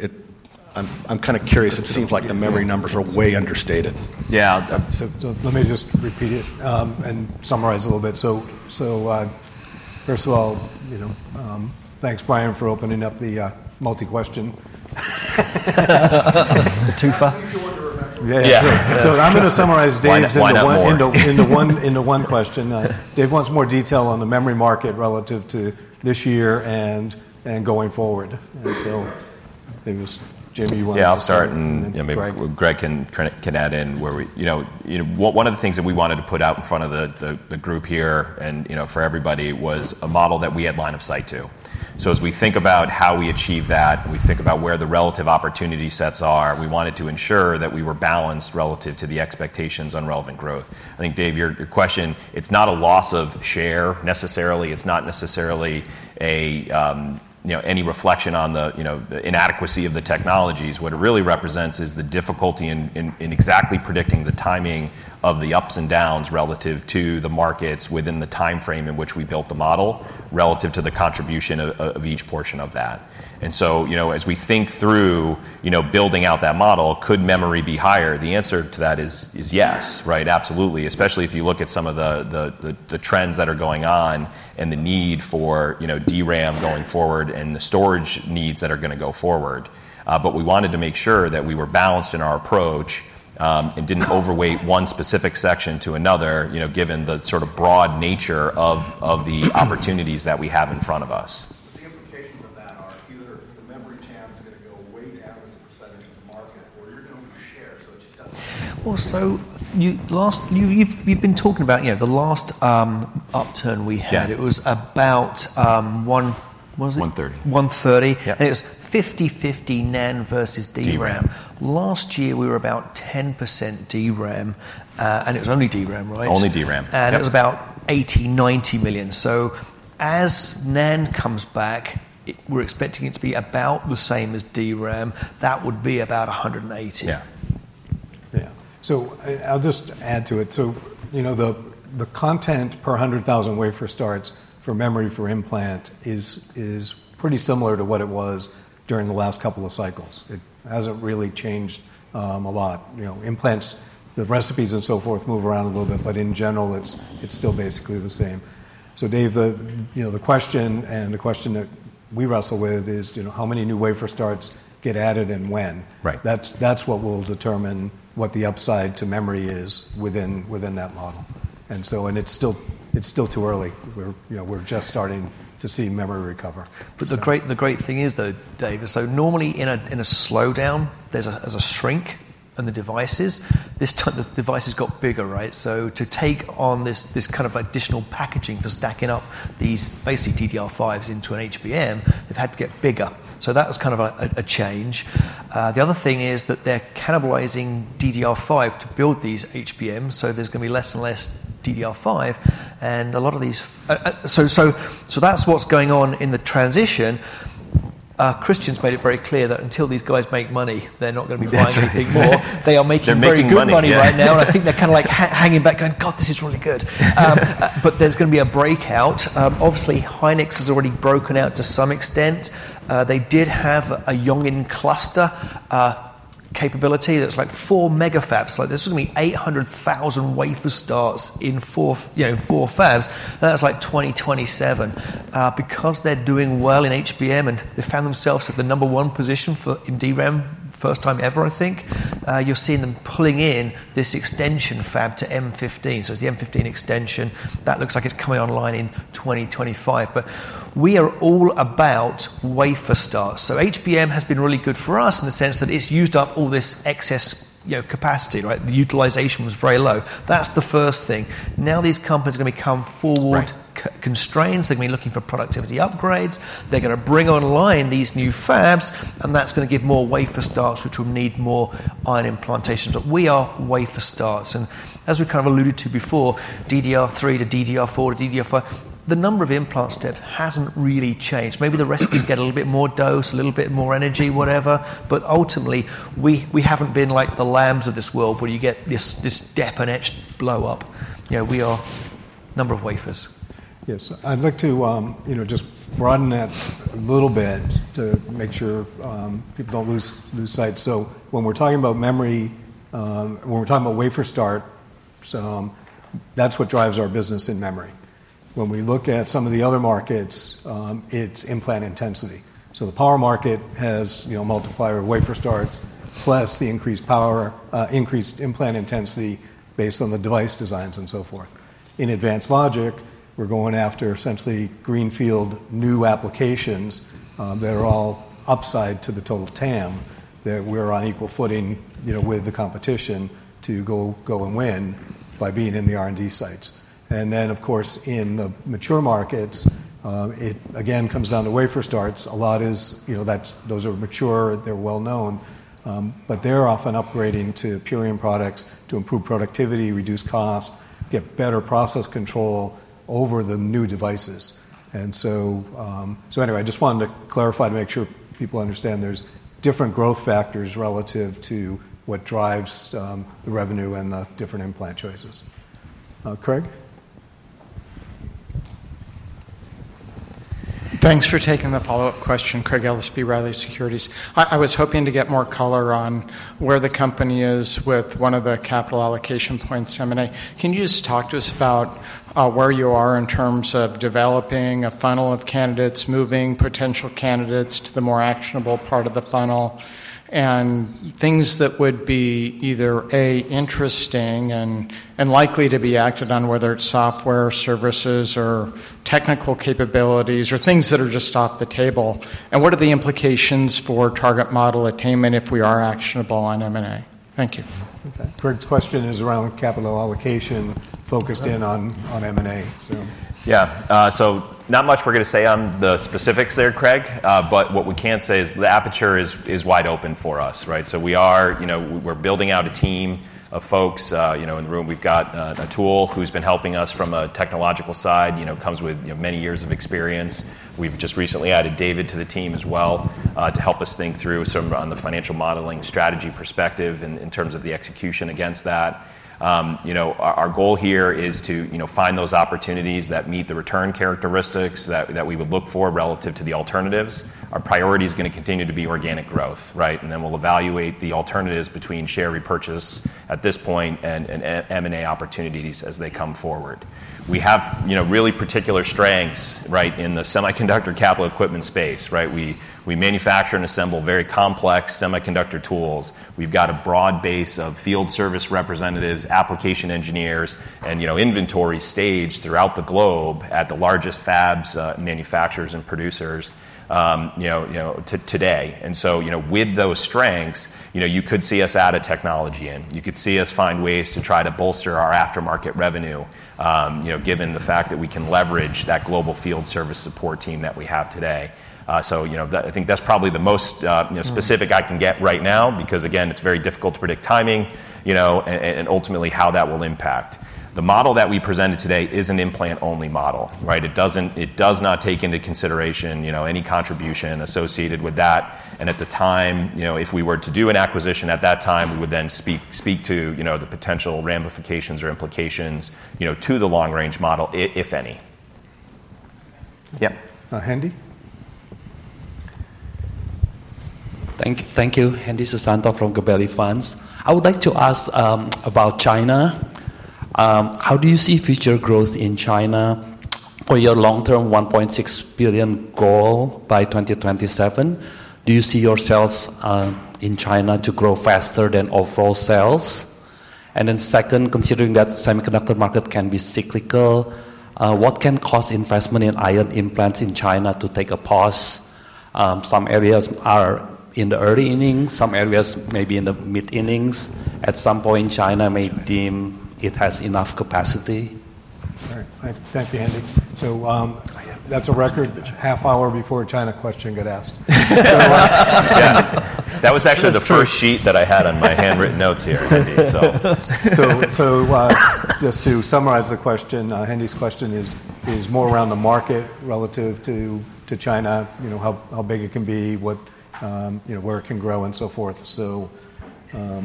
I'm, I'm kind of curious. It seems like the memory numbers are way understated. Yeah. So, so let me just repeat it, and summarize a little bit. So, so, first of all, you know, thanks, Brian, for opening up the, multi-question. The twofer. Easy one to remember. Yeah. Yeah. So I'm gonna summarize Dave's why not more into one question. Dave wants more detail on the memory market relative to this year and going forward. So maybe it was Jimmy, you want to- Yeah, I'll start, and, you know, maybe Greg can add in where we—you know, one of the things that we wanted to put out in front of the group here, and, you know, for everybody, was a model that we had line of sight to. So as we think about how we achieve that, we think about where the relative opportunity sets are, we wanted to ensure that we were balanced relative to the expectations on relevant growth. I think, Dave, your question, it's not a loss of share necessarily. It's not necessarily a, you know, any reflection on the inadequacy of the technologies. What it really represents is the difficulty in exactly predicting the timing of the ups and downs relative to the markets within the time frame in which we built the model, relative to the contribution of each portion of that. And so, you know, as we think through, you know, building out that model, could memory be higher? The answer to that is yes, right? Absolutely. Especially if you look at some of the trends that are going on and the need for, you know, DRAM going forward and the storage needs that are gonna go forward. But we wanted to make sure that we were balanced in our approach, and didn't overweight one specific section to another, you know, given the sort of broad nature of the opportunities that we have in front of us. The implications of that are either the memory TAM is gonna go way down as a percentage of the market, or you're going to share, so it just has- Well, so you've been talking about, you know, the last upturn we had- Yeah It was about, 1, what was it? 130. 130. Yeah. It was 50/50 NAND versus DRAM. DRAM. Last year, we were about 10% DRAM, and it was only DRAM, right? Only DRAM. Yep. It was about $80-$90 million. So as NAND comes back, it, we're expecting it to be about the same as DRAM. That would be about $180 million. Yeah. Yeah. So I'll just add to it. So, you know, the content per 100,000 wafer starts for memory for implant is pretty similar to what it was during the last couple of cycles. It hasn't really changed a lot. You know, implants, the recipes and so forth move around a little bit, but in general, it's still basically the same. So Dave, you know, the question that we wrestle with is, you know, how many new wafer starts get added and when? Right. That's what will determine what the upside to memory is within that model. And so—and it's still too early. We're, you know, just starting to see memory recover. But the great thing is, though, Dave, so normally in a slowdown, there's a shrink in the devices. This time, the devices got bigger, right? So to take on this kind of additional packaging for stacking up these basically DDR5s into an HBM, they've had to get bigger. So that was kind of a change. The other thing is that they're cannibalizing DDR5 to build these HBMs, so there's going to be less and less DDR5, and a lot of these, so that's what's going on in the transition. Christian's made it very clear that until these guys make money, they're not gonna be buying anything more. That's right. They are making- They're making money. Very good money right now, and I think they're kind of like hanging back, going, "God, this is really good." But there's gonna be a breakout. Obviously, Hynix has already broken out to some extent. They did have a Yongin cluster capability that's like four mega fabs. Like, there's gonna be 800,000 wafer starts in four fabs. That's like 2027. Because they're doing well in HBM, and they found themselves at the number one position for in DRAM, first time ever, I think, you're seeing them pulling in this extension fab to M15. So it's the M15 extension. That looks like it's coming online in 2025. But we are all about wafer starts. So HBM has been really good for us in the sense that it's used up all this excess capacity, right? The utilization was very low. That's the first thing. Now, these companies are going to become forward- Right Constraints. They're gonna be looking for productivity upgrades. They're gonna bring online these new fabs, and that's gonna give more wafer starts, which will need more ion implantation. But we are wafer starts, and as we kind of alluded to before, DDR3 to DDR4 to DDR5, the number of implant steps hasn't really changed. Maybe the recipes get a little bit more dose, a little bit more energy, whatever, but ultimately, we haven't been like the DRAMs of this world, where you get this definite blow up. You know, we are number of wafers. Yes. I'd like to, you know, just broaden that a little bit to make sure people don't lose, lose sight. So when we're talking about memory, when we're talking about wafer start, so that's what drives our business in memory. When we look at some of the other markets, it's implant intensity. So the power market has, you know, multiplier wafer starts, plus the increased power, increased implant intensity based on the device designs and so forth. In advanced logic, we're going after essentially greenfield new applications, that are all upside to the total TAM, that we're on equal footing, you know, with the competition to go, go and win by being in the R&D sites. And then, of course, in the mature markets, it again comes down to wafer starts. A lot is, you know, that's—those are mature, they're well known, but they're often upgrading to Purion products to improve productivity, reduce costs, get better process control over the new devices. And so, so anyway, I just wanted to clarify to make sure people understand there's different growth factors relative to what drives, the revenue and the different implant choices. Craig? Thanks for taking the follow-up question, Craig Ellis, B. Riley Securities. I was hoping to get more color on where the company is with one of the capital allocation points, M&A. Can you just talk to us about where you are in terms of developing a funnel of candidates, moving potential candidates to the more actionable part of the funnel? And things that would be either, A, interesting and, and likely to be acted on, whether it's software, services, or technical capabilities, or things that are just off the table? And what are the implications for target model attainment if we are actionable on M&A? Thank you. Okay. Craig's question is around capital allocation focused in on M&A, so. Yeah, so not much we're going to say on the specifics there, Craig, but what we can say is the aperture is wide open for us, right? So we are, you know, we're building out a team of folks. You know, in the room, we've got Atul, who's been helping us from a technological side, you know, comes with many years of experience. We've just recently added David to the team as well, to help us think through sort of on the financial modeling strategy perspective in terms of the execution against that. You know, our goal here is to, you know, find those opportunities that meet the return characteristics that we would look for relative to the alternatives. Our priority is going to continue to be organic growth, right? And then we'll evaluate the alternatives between share repurchase at this point and M&A opportunities as they come forward. We have, you know, really particular strengths, right, in the semiconductor capital equipment space, right? We manufacture and assemble very complex semiconductor tools. We've got a broad base of field service representatives, application engineers, and, you know, inventory staged throughout the globe at the largest fabs, manufacturers and producers, you know, today. And so, you know, with those strengths, you know, you could see us add a technology in. You could see us find ways to try to bolster our aftermarket revenue, you know, given the fact that we can leverage that global field service support team that we have today. So, you know, that. I think that's probably the most, you know, specific- Mm I can get right now, because, again, it's very difficult to predict timing, you know, and ultimately how that will impact. The model that we presented today is an implant-only model, right? It doesn't, it does not take into consideration, you know, any contribution associated with that, and at the time, you know, if we were to do an acquisition at that time, we would then speak to, you know, the potential ramifications or implications, you know, to the long-range model if any. Yeah. Uh, Hendi? Thank you. Hendi Susanto from Gabelli Funds. I would like to ask about China. How do you see future growth in China for your long-term $1.6 billion goal by 2027? Do you see yourselves in China to grow faster than overall sales? And then second, considering that semiconductor market can be cyclical, what can cause investment in ion implants in China to take a pause? Some areas are in the early innings, some areas may be in the mid-innings. At some point, China may deem it has enough capacity. All right. Thank you, Hendi. So, that's a record half hour before a China question got asked. Yeah. That was actually the first sheet that I had on my handwritten notes here, Hendi, so. Just to summarize the question, Hendi's question is more around the market relative to China, you know, how big it can be, what, you know, where it can grow, and so forth. So, Yeah.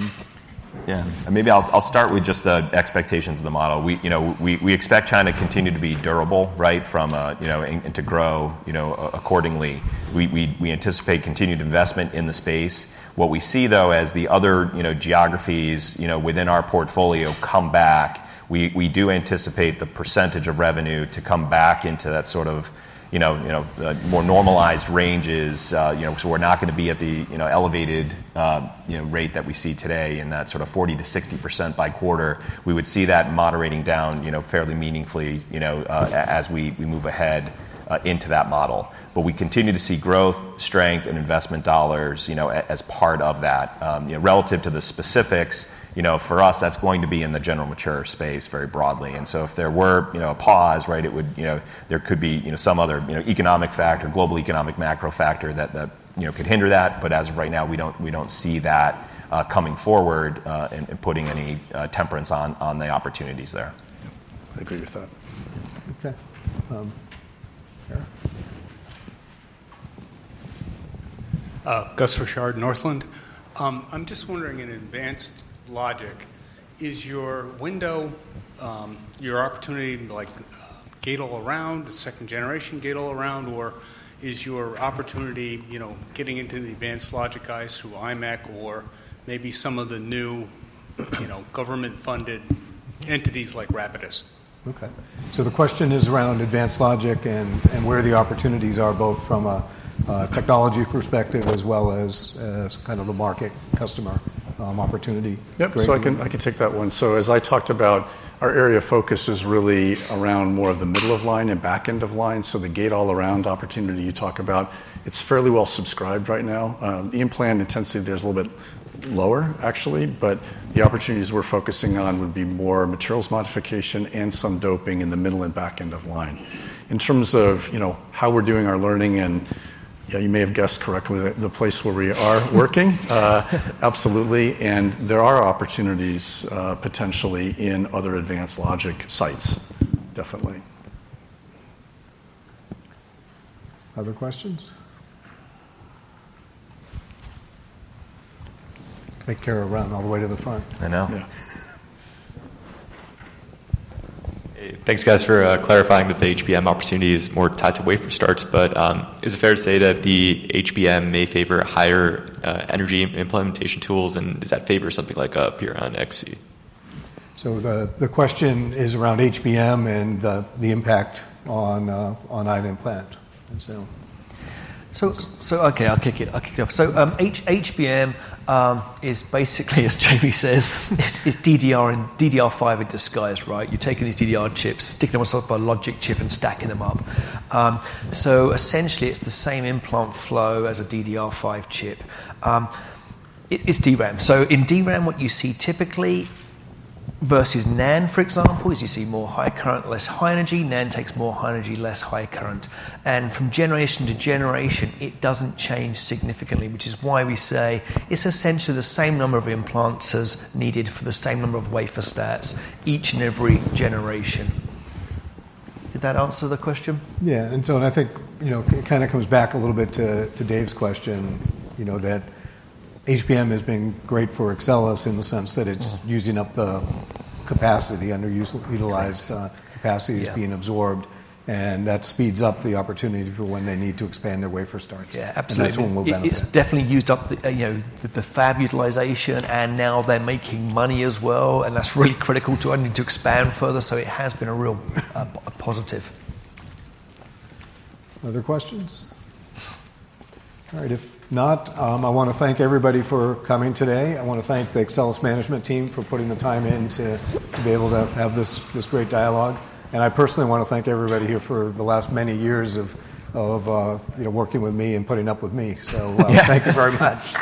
Maybe I'll start with just the expectations of the model. We, you know, we expect China to continue to be durable, right? From, you know, and to grow, you know, accordingly. We anticipate continued investment in the space. What we see, though, as the other, you know, geographies, you know, within our portfolio come back, we do anticipate the percentage of revenue to come back into that sort of, you know, more normalized ranges. You know, so we're not going to be at the, you know, elevated, you know, rate that we see today in that sort of 40%-60% by quarter. We would see that moderating down, you know, fairly meaningfully, you know, as we move ahead, into that model. But we continue to see growth, strength, and investment dollars, you know, as part of that. You know, relative to the specifics, you know, for us, that's going to be in the general mature space very broadly. And so if there were, you know, a pause, right, it would, you know, there could be, you know, some other, you know, economic factor, global economic macro factor that, you know, could hinder that. But as of right now, we don't, we don't see that coming forward, and putting any temperance on the opportunities there. I agree with that. Okay, yeah. Gus Richard, Northland. I'm just wondering, in advanced logic, is your window, your opportunity like, gate-all-around, a second-generation gate-all-around, or is your opportunity, you know, getting into the advanced logic guys through IMEC or maybe some of the new, you know, government-funded entities like Rapidus? Okay, so the question is around Advanced Logic and where the opportunities are, both from a technology perspective as well as kind of the market customer opportunity. Yep, so I can, I can take that one. So as I talked about, our area of focus is really around more of the Middle of Line and Back End of Line. So the Gate-All-Around opportunity you talk about, it's fairly well subscribed right now. The implant intensity there is a little bit lower, actually, but the opportunities we're focusing on would be more materials modification and some doping in the Middle and Back End of Line. In terms of, you know, how we're doing our learning, and, yeah, you may have guessed correctly, the place where we are working, absolutely, and there are opportunities, potentially in other Advanced Logic sites, definitely. Other questions? I think Cara ran all the way to the front. I know. Hey, thanks, guys, for clarifying that the HBM opportunity is more tied to wafer starts. But, is it fair to say that the HBM may favor higher energy implantation tools, and does that favor something like a Purion XE? The question is around HBM and the impact on ion implant, and so. So, okay, I'll kick it off. So, HBM is basically, as Jamie says, is DDR and DDR5 in disguise, right? You're taking these DDR chips, sticking them on top of a logic chip, and stacking them up. So essentially, it's the same implant flow as a DDR5 chip. It is DRAM. So in DRAM, what you see typically, versus NAND, for example, is you see more high current, less high energy. NAND takes more high energy, less high current. And from generation to generation, it doesn't change significantly, which is why we say it's essentially the same number of implants as needed for the same number of wafer starts, each and every generation. Did that answer the question? Yeah, and so and I think, you know, it kind of comes back a little bit to, to Dave's question, you know, that HBM has been great for Axcelis in the sense that it's using up the capacity, underused, utilized, capacity- Yeah Is being absorbed, and that speeds up the opportunity for when they need to expand their wafer starts. Yeah, absolutely. That's when we'll benefit. It's definitely used up the, you know, the fab utilization, and now they're making money as well, and that's really critical to needing to expand further. So it has been a real positive. Other questions? All right, if not, I want to thank everybody for coming today. I want to thank the Axcelis management team for putting the time in to be able to have this great dialogue. And I personally want to thank everybody here for the last many years of you know, working with me and putting up with me. So- Yeah. Thank you very much.